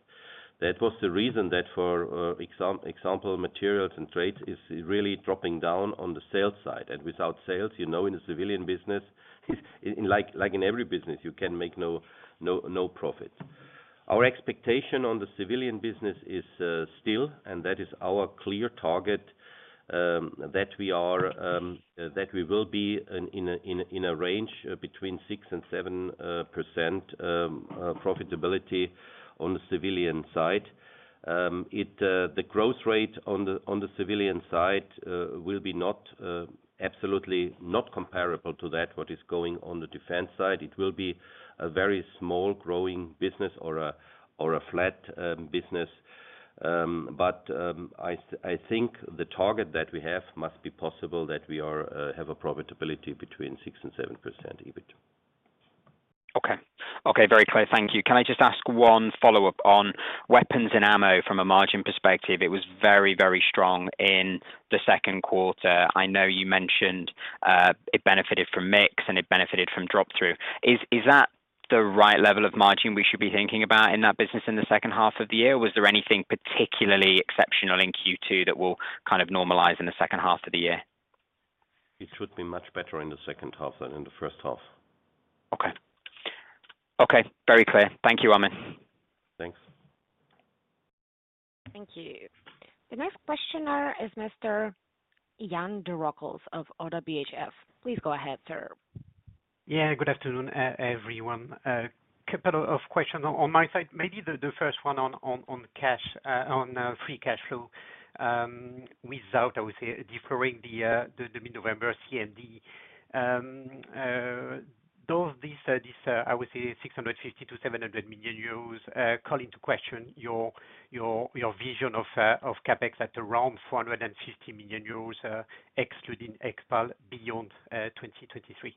That was the reason that for example, Materials and Trade, is, is really dropping down on the sales side. Without sales, you know, in the civilian business, in like, like in every business, you can make no, no, no profit. Our expectation on the civilian business is still, and that is our clear target, that we are, that we will be in, in a, in a, in a range between 6% and 7% profitability on the civilian side. It, the growth rate on the, on the civilian side, will be not, absolutely not comparable to that what is going on the defense side. It will be a very small growing business or a, or a flat, business. I think the target that we have must be possible, that we are, have a profitability between 6% and 7% EBIT. Okay. Okay, very clear. Thank you. Can I just ask one follow-up on Weapon and Ammunition from a margin perspective? It was very, very strong in the second quarter. I know you mentioned, it benefited from mix, and it benefited from drop-through. Is that the right level of margin we should be thinking about in that business in the second half of the year, or was there anything particularly exceptional in Q2 that will kind of normalize in the second half of the year? It should be much better in the second half than in the first half. Okay. Okay, very clear. Thank you, Armin. Thanks. Thank you. The next questioner is Mr. Jan Durner of Oddo BHF. Please go ahead, sir. Yeah, good afternoon, everyone. A couple of questions on my side. Maybe the first one on cash, on free cash flow. Without, I would say, deferring the mid-November CND, I would say 650 million-700 million euros call into question your vision of CapEx at around 450 million euros, excluding Expal beyond 2023.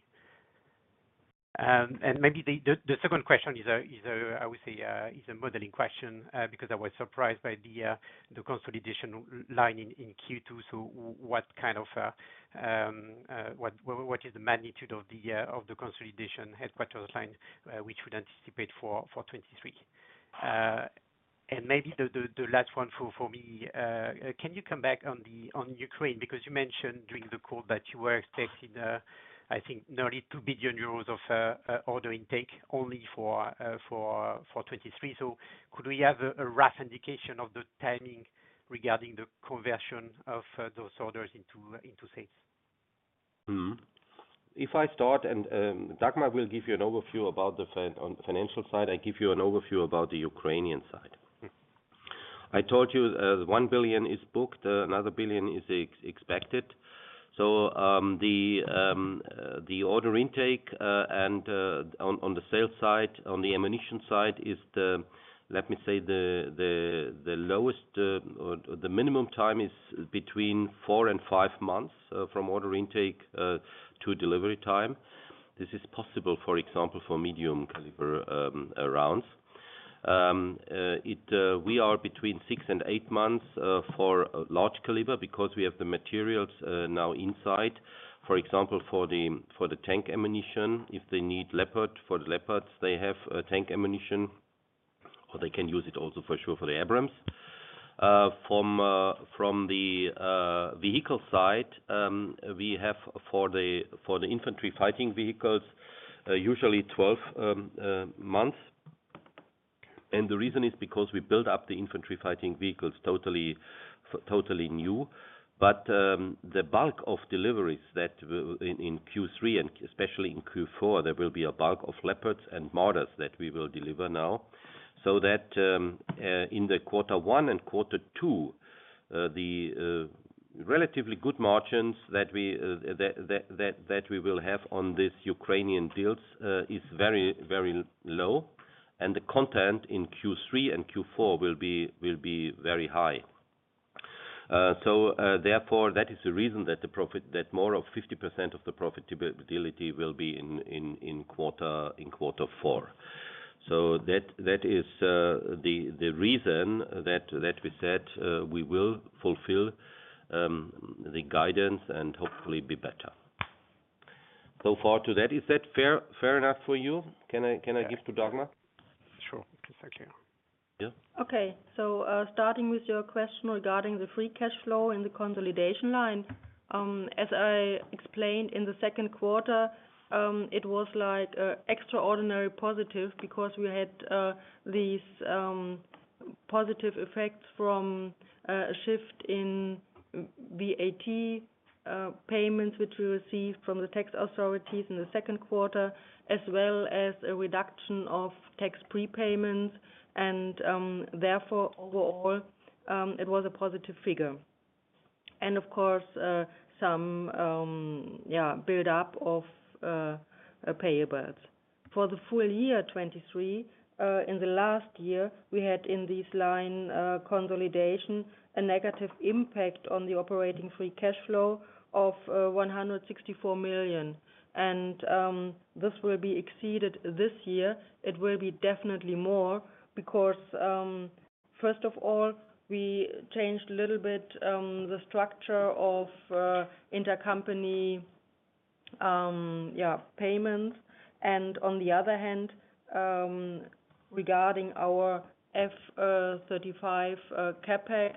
Maybe the second question is a, I would say, is a modeling question, because I was surprised by the consolidation line in Q2. What kind of, what is the magnitude of the consolidation headquarters line we should anticipate for 2023? And maybe the, the, the last one for, for me, can you come back on the, on Ukraine? Because you mentioned during the call that you were taking, I think nearly 2 billion euros of order intake only for 2023. Could we have a rough indication of the timing regarding the conversion of those orders into sales? If I start, Dagmar will give you an overview about the fin- on the financial side, I give you an overview about the Ukrainian side. I told you, 1 billion is booked, another 1 billion is ex- expected. The order intake and on the sales side, on the ammunition side, is the, let me say, the, the, the lowest, or the minimum time is between four and five months from order intake to delivery time. This is possible, for example, for medium caliber rounds. It, we are between six and eight months for large caliber because we have the materials now inside. For example, for the, for the tank ammunition, if they need Leopard, for the Leopards, they have tank ammunition. They can use it also for sure, for the Abrams. From, from the vehicle side, we have for the infantry fighting vehicles, usually 12 months. The reason is because we build up the infantry fighting vehicles totally, totally new. The bulk of deliveries that will, in Q3 and especially in Q4, there will be a bulk of Leopards and Marders that we will deliver now. That in the Q1 and Q2, the relatively good margins that we, that, that, that, that we will have on this Ukrainian deals, is very, very low, and the content in Q3 and Q4 will be, will be very high. Therefore, that is the reason that the profit, that more of 50% of the profitability will be in quarter four. That, that is the reason that we said, we will fulfill the guidance and hopefully be better. Far to that, is that fair enough for you? Can I give to Dagmar? Sure. Thank you. Yeah. Okay. Starting with your question regarding the free cash flow in the consolidation line. As I explained in the second quarter, it was like extraordinary positive because we had these positive effects from a shift in VAT payments, which we received from the tax authorities in the second quarter, as well as a reduction of tax prepayments, and therefore, overall, it was a positive figure. Of course, some, yeah, build up of payables. For the full-year 2023, in the last year, we had in this line, consolidation, a negative impact on the operating free cash flow of 164 million. This will be exceeded this year. It will be definitely more because, first of all, we changed a little bit the structure of intercompany, yeah, payments. On the other hand, regarding our F-35 CapEx,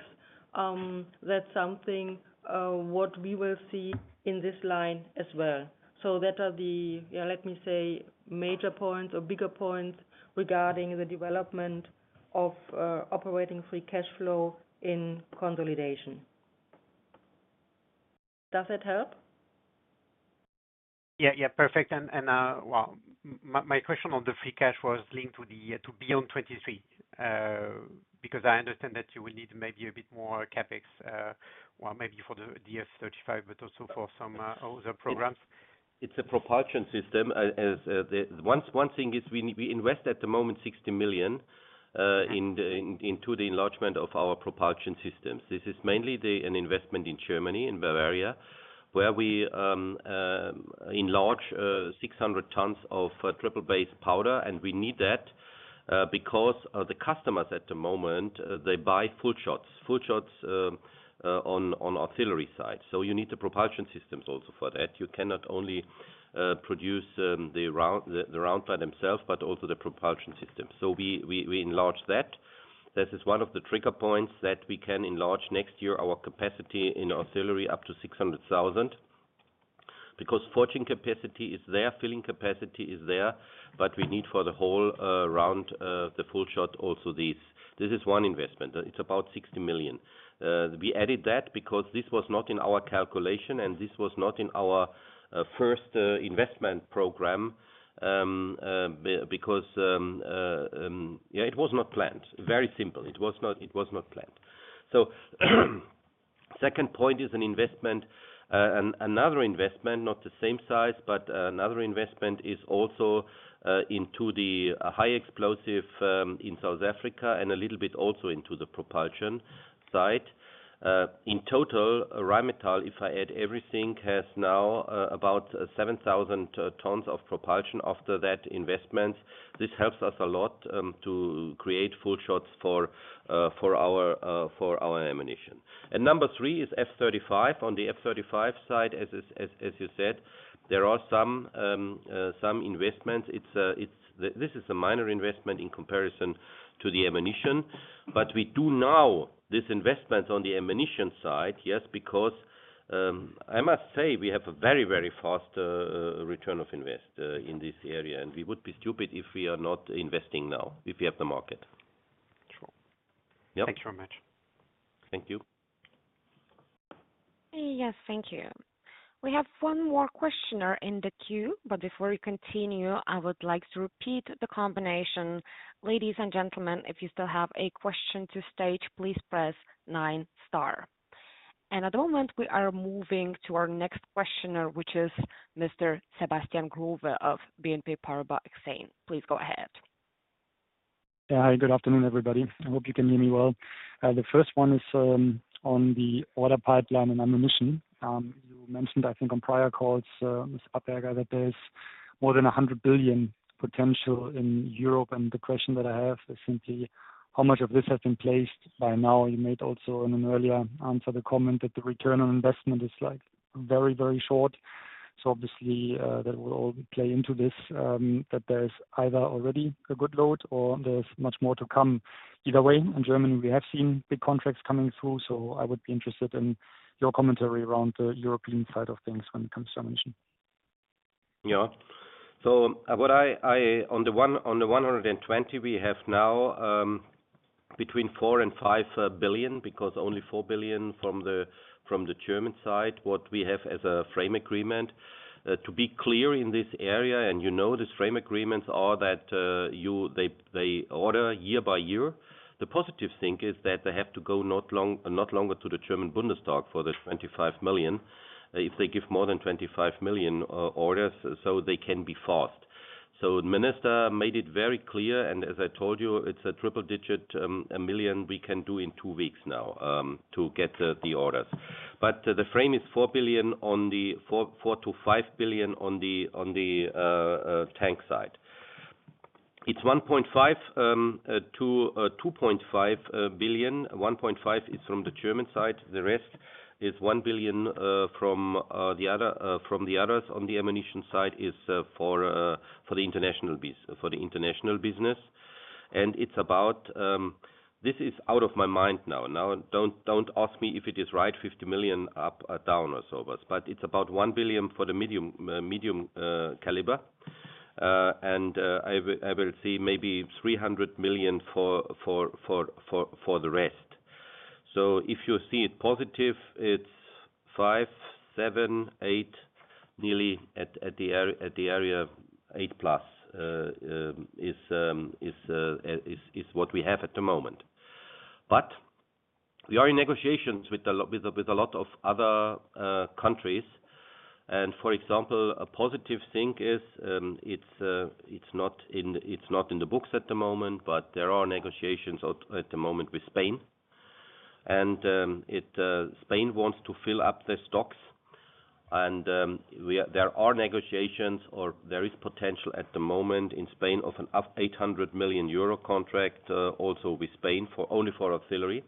that's something what we will see in this line as well. That are the, yeah, let me say, major points or bigger points regarding the development of operating free cash flow in consolidation. Does that help? Yeah, yeah, perfect. Well, my question on the free cash was linked to beyond 23. Because I understand that you will need maybe a bit more CapEx, well, maybe for the F-35, but also for some other programs. It's a propulsion system. One thing is we invest at the moment 60 million into the enlargement of our propulsion systems. This is mainly an investment in Germany, in Bavaria, where we enlarge 600 tons of triple-base powder, and we need that because the customers at the moment they buy full shots. Full shots on artillery side. So you need the propulsion systems also for that. You cannot only produce the round by themselves, but also the propulsion system. So we enlarge that. This is one of the trigger points that we can enlarge next year, our capacity in artillery up to 600,000. Forging capacity is there, filling capacity is there, we need for the whole round, the full shot also these. This is 1 investment, it's about 60 million. We added that because this was not in our calculation, this was not in our 1st investment program, because, yeah, it was not planned. Very simple. It was not, it was not planned. 2nd point is an investment, another investment, not the same size, but another investment is also into the high explosive in South Africa and a little bit also into the propulsion side. In total, Rheinmetall, if I add everything, has now about 7,000 tons of propulsion after that investment. This helps us a lot to create full shots for our for our ammunition. Number three is F-35. On the F-35 side, as you said, there are some investments. It's a, this is a minor investment in comparison to the ammunition, we do now this investment on the ammunition side, yes, because I must say we have a very, very fast return of invest in this area, we would be stupid if we are not investing now, if we have the market. Sure. Yep. Thank you very much. Thank you. Yes, thank you. We have one more questioner in the queue, but before we continue, I would like to repeat the combination. Ladies and gentlemen, if you still have a question to stage, please press nine star. At the moment, we are moving to our next questioner, which is Mr. Sebastian Growe of BNP Paribas Exane. Please go ahead. Yeah. Hi, good afternoon, everybody. I hope you can hear me well. The first one is on the order pipeline and ammunition. You mentioned, I think, on prior calls, Mr. Papperger, that there's more than 100 billion potential in Europe. The question that I have is simply, how much of this has been placed by now? You made also in an earlier answer, the comment that the ROI is, like, very, very short. Obviously, that will all play into this, that there's either already a good load or there's much more to come. Either way, in Germany, we have seen big contracts coming through. I would be interested in your commentary around the European side of things when it comes to ammunition. Yeah. What on the 120, we have now between 4 billion-5 billion, because only 4 billion from the German side, what we have as a frame agreement. To be clear in this area, and you know, these frame agreements are that you, they, they order year by year. The positive thing is that they have to go not long, not longer to the German Bundestag for the 25 million. If they give more than 25 million orders, so they can be fast. The minister made it very clear, and as I told you, it's a triple digit million we can do in 2 weeks now to get the orders. The frame is 4 billion on the 4 billion-5 billion on the tank side. It's 1.5 billion, 2 billion-2.5 billion. 1.5 billion is from the German side, the rest is 1 billion from the others on the ammunition side is for the international business. It's about. This is out of my mind now. Now, don't ask me if it is right, 50 million up or down or so but it's about 1 billion for the medium caliber. I will see maybe 300 million for the rest. If you see it positive, it's 5, 7, 8, nearly at the area of 8+, is what we have at the moment. We are in negotiations with a lot of other countries. For example, a positive thing is, it's not in the books at the moment, but there are negotiations at the moment with Spain. It Spain wants to fill up the stocks. There are negotiations or there is potential at the moment in Spain of an up 800 million euro contract also with Spain for only for auxiliary.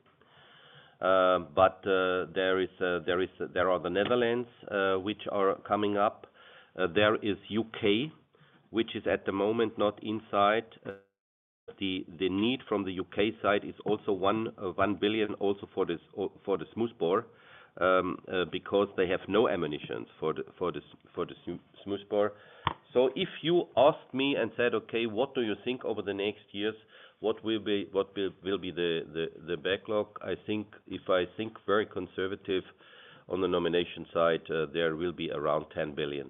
There are the Netherlands which are coming up. There is UK, which is at the moment not inside. The need from the UK side is also 1 billion, also for the smoothbore because they have no ammunitions for the smoothbore. If you asked me and said, "Okay, what do you think over the next years, what will be, what will, will be the, the, the backlog?" I think, if I think very conservative on the nomination side, there will be around 10 billion.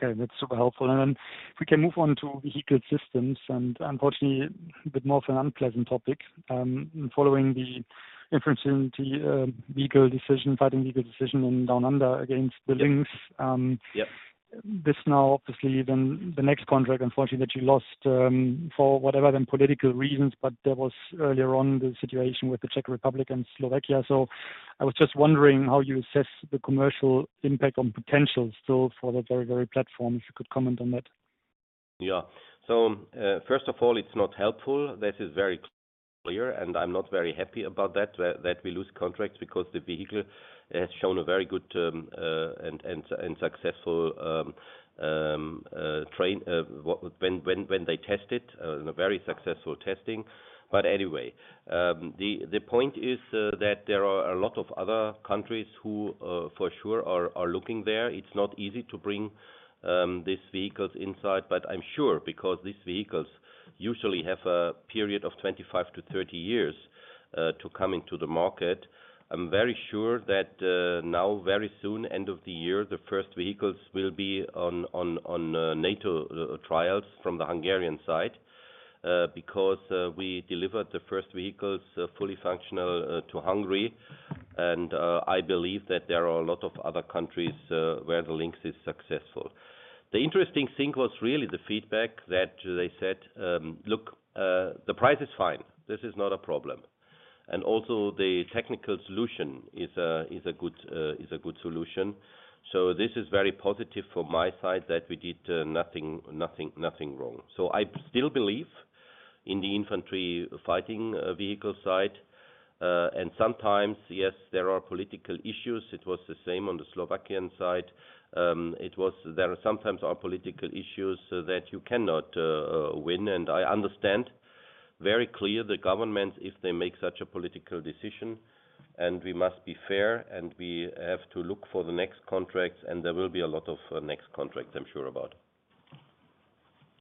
Okay, that's super helpful. If we can move on to Vehicle Systems, and unfortunately, a bit more of an unpleasant topic. Following the infantry into vehicle decision, fighting vehicle decision in Down Under against the Lynx. Yeah. This now, obviously, then the next contract, unfortunately, that you lost, for whatever then political reasons, but there was earlier on the situation with the Czech Republic and Slovakia. I was just wondering how you assess the commercial impact on potential still for the very, very platform, if you could comment on that. Yeah. First of all, it's not helpful. This is very clear, and I'm not very happy about that, that, that we lose contracts because the vehicle has shown a very good term, and, and, and successful when, when, when they test it, a very successful testing. Anyway, the, the point is that there are a lot of other countries who, for sure, are, are looking there. It's not easy to bring these vehicles inside, but I'm sure because these vehicles usually have a period of 25 to 30 years to come into the market. I'm very sure that, now, very soon, end of the year, the first vehicles will be on NATO trials from the Hungarian side, because we delivered the first vehicles, fully functional, to Hungary. I believe that there are a lot of other countries, where the Lynx is successful. The interesting thing was really the feedback that they said: "Look, the price is fine. This is not a problem. Also the technical solution is a good solution." This is very positive for my side, that we did nothing wrong. I still believe in the infantry fighting vehicle side, sometimes, yes, there are political issues. It was the same on the Slovakian side. There sometimes are political issues so that you cannot win. I understand very clear the government, if they make such a political decision, and we must be fair, and we have to look for the next contracts, and there will be a lot of next contracts, I'm sure about.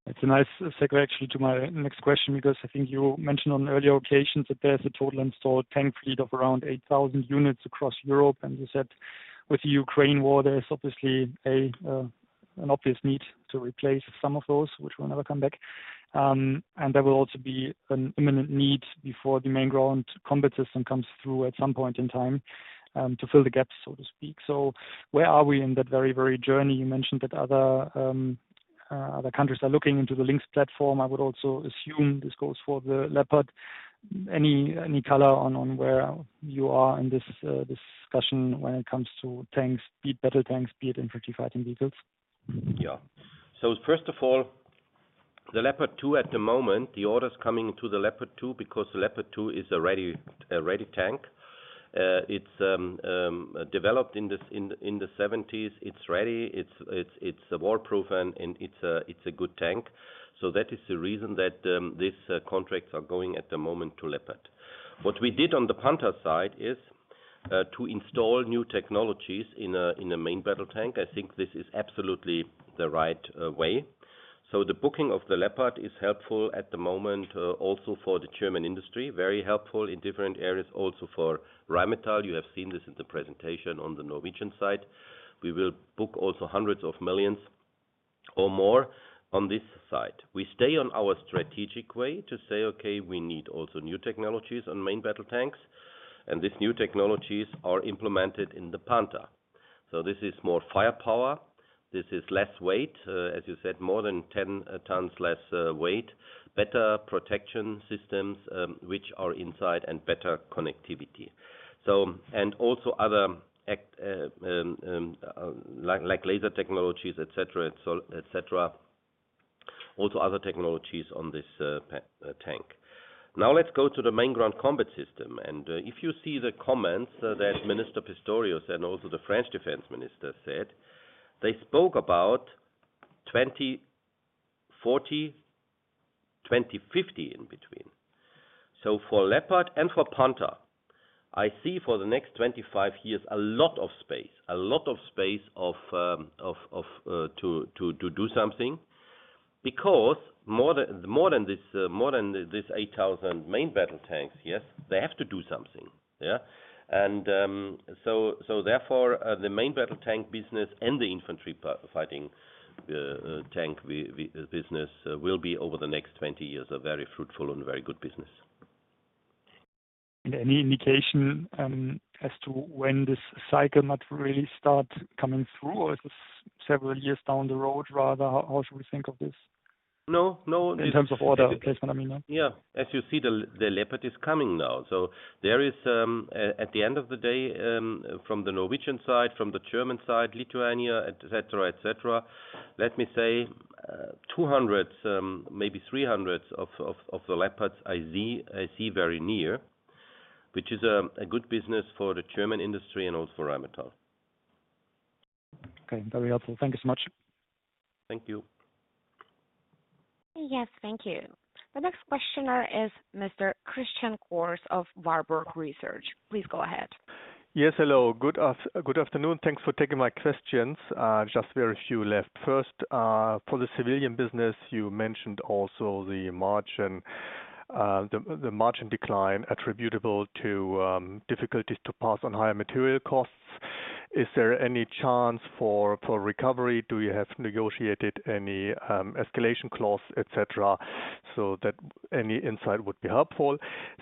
It's a nice segue actually to my next question, because I think you mentioned on earlier occasions that there's a total installed tank fleet of around 8,000 units across Europe. You said with the Ukraine war, there is obviously an obvious need to replace some of those which will never come back. There will also be an imminent need before the Main Ground Combat System comes through at some point in time to fill the gaps, so to speak. Where are we in that very, very journey? You mentioned that other countries are looking into the Lynx platform. I would also assume this goes for the Leopard. Any, any color on, on where you are in this discussion when it comes to tanks, be it battle tanks, be it infantry fighting vehicles? First of all. The Leopard 2 at the moment, the orders coming to the Leopard 2, because the Leopard 2 is a ready, a ready tank. It's developed in the 1970s. It's ready, it's, it's, it's war-proven, and it's a, it's a good tank. That is the reason that these contracts are going at the moment to Leopard. What we did on the Panther side is to install new technologies in a main battle tank. I think this is absolutely the right way. The booking of the Leopard is helpful at the moment, also for the German industry, very helpful in different areas, also for Rheinmetall. You have seen this in the presentation on the Norwegian side. We will book also EUR hundreds of millions or more on this side. We stay on our strategic way to say, "Okay, we need also new technologies on main battle tanks," these new technologies are implemented in the Panther. This is more firepower, this is less weight, as you said, more than 10 tons less weight, better protection systems, which are inside and better connectivity. Also other act, like laser technologies, et cetera, et cetera. Also, other technologies on this tank. Now, let's go to the Main Ground Combat System, if you see the comments that Minister Pistorius and also the French defense minister said, they spoke about 2040, 2050 in between. For Leopard and for Panther, I see for the next 25 years, a lot of space, a lot of space of, of, to do something. More than, more than this, more than this 8,000 main battle tanks, yes, they have to do something, yeah? Therefore, the main battle tank business and the infantry fighting tank business, will be over the next 20 years, a very fruitful and very good business. Any indication as to when this cycle might really start coming through, or is this several years down the road rather? How, how should we think of this? No. In terms of order placement, I mean. Yeah. As you see, the L- the Leopard is coming now. There is, at the end of the day, from the Norwegian side, from the German side, Lithuania, et cetera, et cetera, let me say, 200, maybe 300 of, of, of the Leopards I see, I see very near, which is a, a good business for the German industry and also for Rheinmetall. Okay, very helpful. Thank you so much. Thank you. Yes, thank you. The next questioner is Mr. Christian Cohrs of Warburg Research. Please go ahead. Yes, hello. Good aft- good afternoon. Thanks for taking my questions. Just very few left. First, for the civilian business, you mentioned also the margin, the, the margin decline attributable to difficulties to pass on higher material costs. Is there any chance for, for recovery? Do you have negotiated any escalation clause, et cetera, so that any insight would be helpful.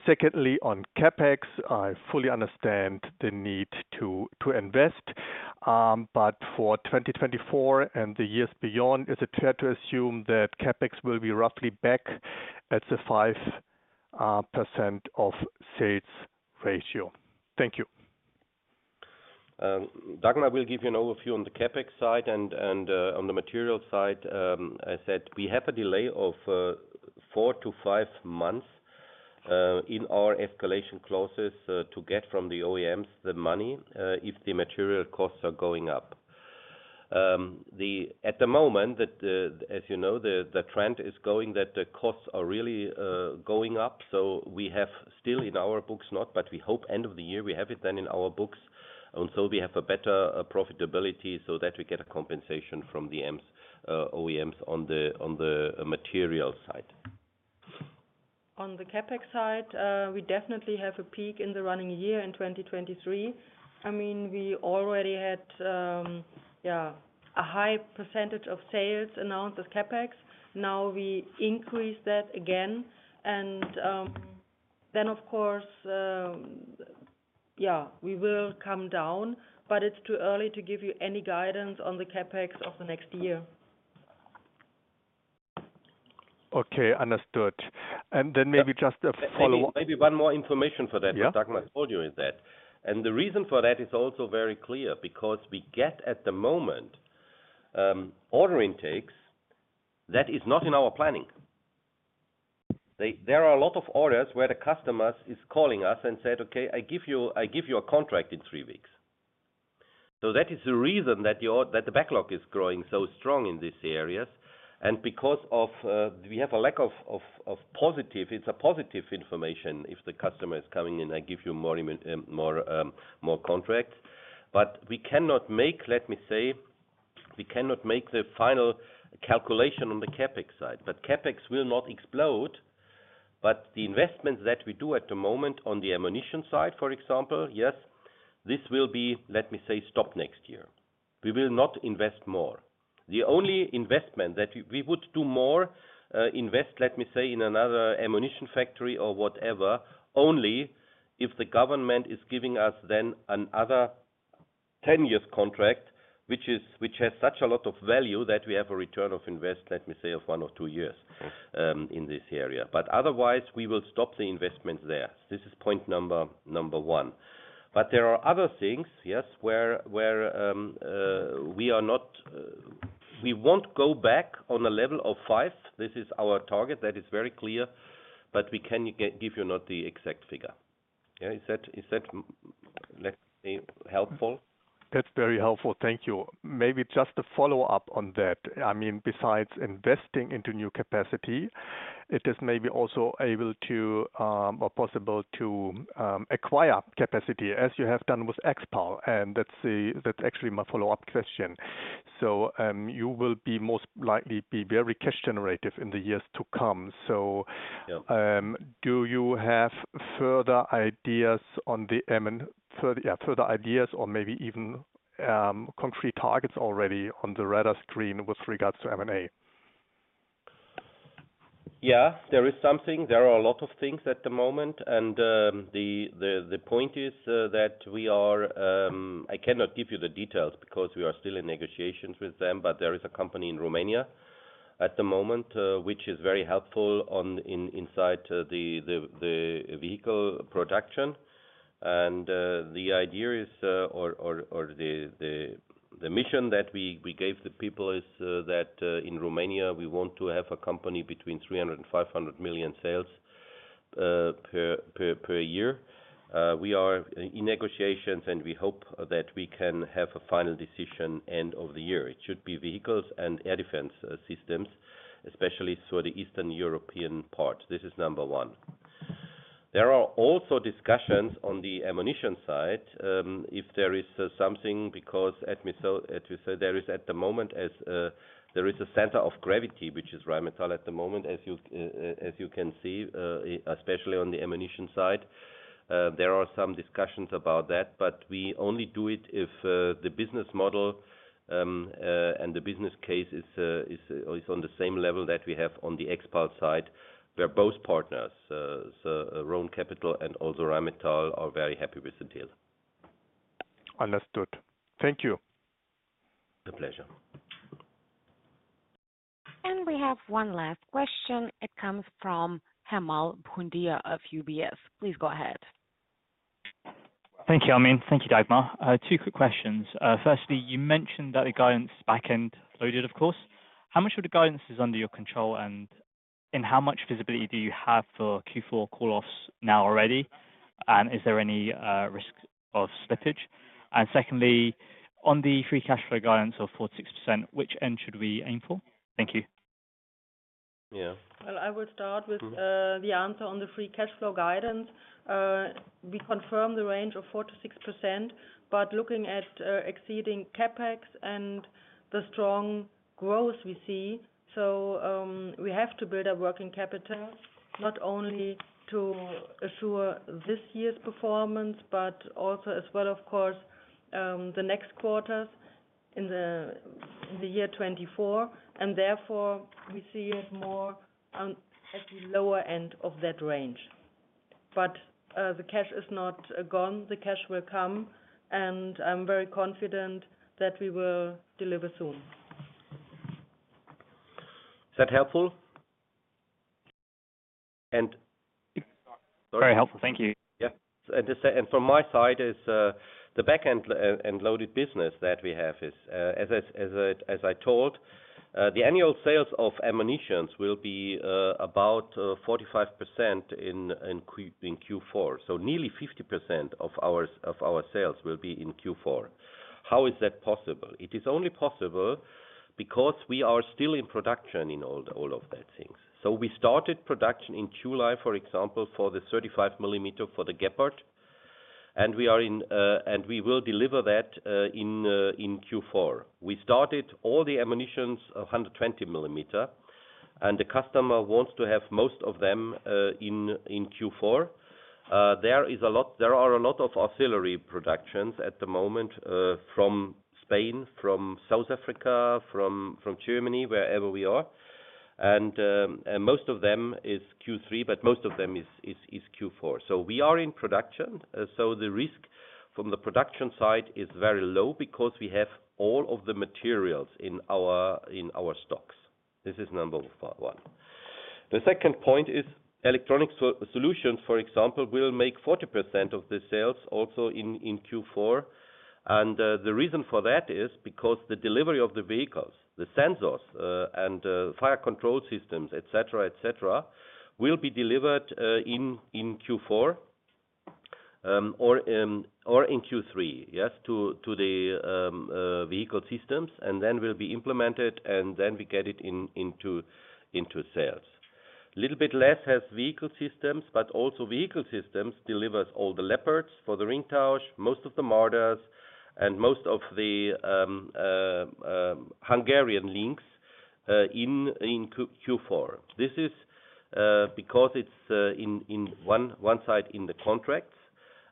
Secondly, on CapEx, I fully understand the need to, to invest, but for 2024 and the years beyond, is it fair to assume that CapEx will be roughly back at the 5% of sales ratio? Thank you. Dagmar will give you an overview on the CapEx side and on the material side. I said we have a delay of 4-5 months in our escalation clauses to get from the OEMs the money if the material costs are going up. At the moment, as you know, the trend is going that the costs are really going up. We have still in our books, not, but we hope end of the year we have it then in our books. We have a better profitability so that we get a compensation from the OEMs on the material side. On the CapEx side, we definitely have a peak in the running year, in 2023. I mean, we already had, yeah, a high % of sales announced as CapEx. Now we increase that again and, then, of course, yeah, we will come down, but it's too early to give you any guidance on the CapEx of the next year. Okay, understood. Then maybe just a follow-up. Maybe, maybe one more information for that. Yeah. Dagmar told you is that, and the reason for that is also very clear, because we get at the moment, order intakes that is not in our planning. They, there are a lot of orders where the customers is calling us and said, "Okay, I give you, I give you a contract in 3 weeks." That is the reason that your, that the backlog is growing so strong in these areas. Because of, we have a lack of, of, of positive, it's a positive information if the customer is coming in and give you more, more, more contract. We cannot make, let me say, we cannot make the final calculation on the CapEx side, but CapEx will not explode. The investments that we do at the moment on the ammunition side, for example, yes, this will be, let me say, stop next year. We will not invest more. The only investment that we, we would do more, invest, let me say, in another ammunition factory or whatever, only if the government is giving us then another 10-year contract, which is- which has such a lot of value that we have a return of invest, let me say, of one or two years in this area. Otherwise, we will stop the investment there. This is point number, number one. There are other things, yes, where, where, we are not-... we won't go back on the level of five. This is our target. That is very clear, but we can get, give you not the exact figure. Okay, is that, is that, let's say, helpful? That's very helpful. Thank you. Maybe just a follow-up on that. I mean, besides investing into new capacity, it is maybe also able to, or possible to, acquire capacity as you have done with Expal, and that's that's actually my follow-up question. You will be most likely be very cash generative in the years to come. So- Yeah. Do you have further ideas on the M and further, further ideas or maybe even concrete targets already on the radar screen with regards to M&A? Yeah, there is something. There are a lot of things at the moment. The point is that we are, I cannot give you the details because we are still in negotiations with them. There is a company in Romania at the moment which is very helpful inside the vehicle production. The idea is or the mission that we gave the people is that in Romania, we want to have a company between 300 million-500 million sales per year. We are in negotiations, and we hope that we can have a final decision end of the year. It should be vehicles and air defense systems, especially for the Eastern European part. This is number one. There are also discussions on the ammunition side, if there is something, because at missile, as you said, there is at the moment as, there is a center of gravity, which is Rheinmetall at the moment, as you as you can see, especially on the ammunition side. There are some discussions about that, but we only do it if the business model and the business case is, is, is on the same level that we have on the Expal side, where both partners, so Rhone Capital and also Rheinmetall are very happy with the deal. Understood. Thank you. A pleasure. We have one last question. It comes from Himanshu Agarwal of UBS. Please go ahead. Thank you, Amin. Thank you, Dagmar. two quick questions. firstly, you mentioned that the guidance back-end loaded, of course. How much of the guidance is under your control, and how much visibility do you have for Q4 call-offs now already? Is there any risk of slippage? Secondly, on the free cash flow guidance of 4%-6%, which end should we aim for? Thank you. Yeah. Well, I will start. Mm-hmm. The answer on the free cash flow guidance. We confirm the range of 4%-6%. Looking at exceeding CapEx and the strong growth we see, we have to build up working capital, not only to assure this year's performance, but also as well, of course, the next quarters in the year 2024. Therefore, we see it more on at the lower end of that range. The cash is not gone. The cash will come, and I'm very confident that we will deliver soon. Is that helpful? And- Very helpful. Thank you. Yeah. Just, and from my side is the back-end loaded business that we have is, as I told, the annual sales of ammunitions will be about 45% in Q4. Nearly 50% of our, of our sales will be in Q4. How is that possible? It is only possible because we are still in production in all of that things. We started production in July, for example, for the 35 millimeter for the Gepard, and we are in, and we will deliver that in Q4. We started all the ammunitions of 120 millimeter, and the customer wants to have most of them in Q4. There are a lot of auxiliary productions at the moment, from Spain, from South Africa, from Germany, wherever we are. Most of them is Q3, but most of them is Q4. We are in production, so the risk from the production side is very low because we have all of the materials in our stocks. This is number 1. The second point is Electronic Solutions, for example, will make 40% of the sales also in Q4. The reason for that is because the delivery of the vehicles, the sensors, and fire control systems, et cetera, et cetera, will be delivered in Q4, or in Q3, yes, to the Vehicle Systems, and then will be implemented, and then we get it in, into, into sales. Little bit less as Vehicle Systems, but also Vehicle Systems delivers all the Leopards for the Ringtausch, most of the Marders, and most of the Hungarian Lynx in Q4. This is because it's in one side in the contracts,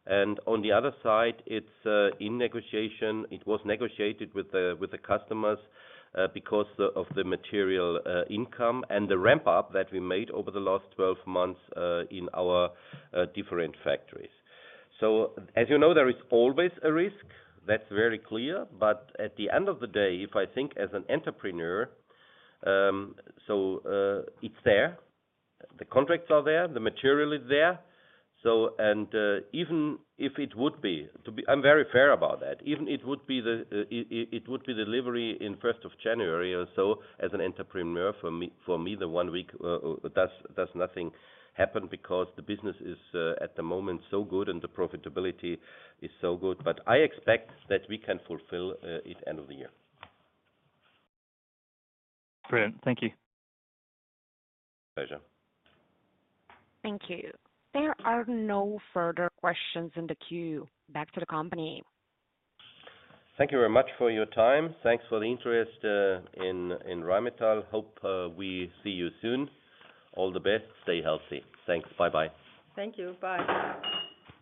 and on the other side, it's in negotiation. It was negotiated with the, with the customers, because of the material income and the ramp up that we made over the last 12 months, in our different factories. As you know, there is always a risk. That's very clear. At the end of the day, if I think as an entrepreneur, it's there, the contracts are there, the material is there. I'm very fair about that, even if it would be delivery in 1st of January or so, as an entrepreneur, for me, for me, the 1 week does nothing happen because the business is, at the moment, so good, and the profitability is so good. I expect that we can fulfill it end of the year. Brilliant. Thank you. Pleasure. Thank you. There are no further questions in the queue. Back to the company. Thank you very much for your time. Thanks for the interest, in, in Rheinmetall. Hope, we see you soon. All the best. Stay healthy. Thanks. Bye-bye. Thank you. Bye.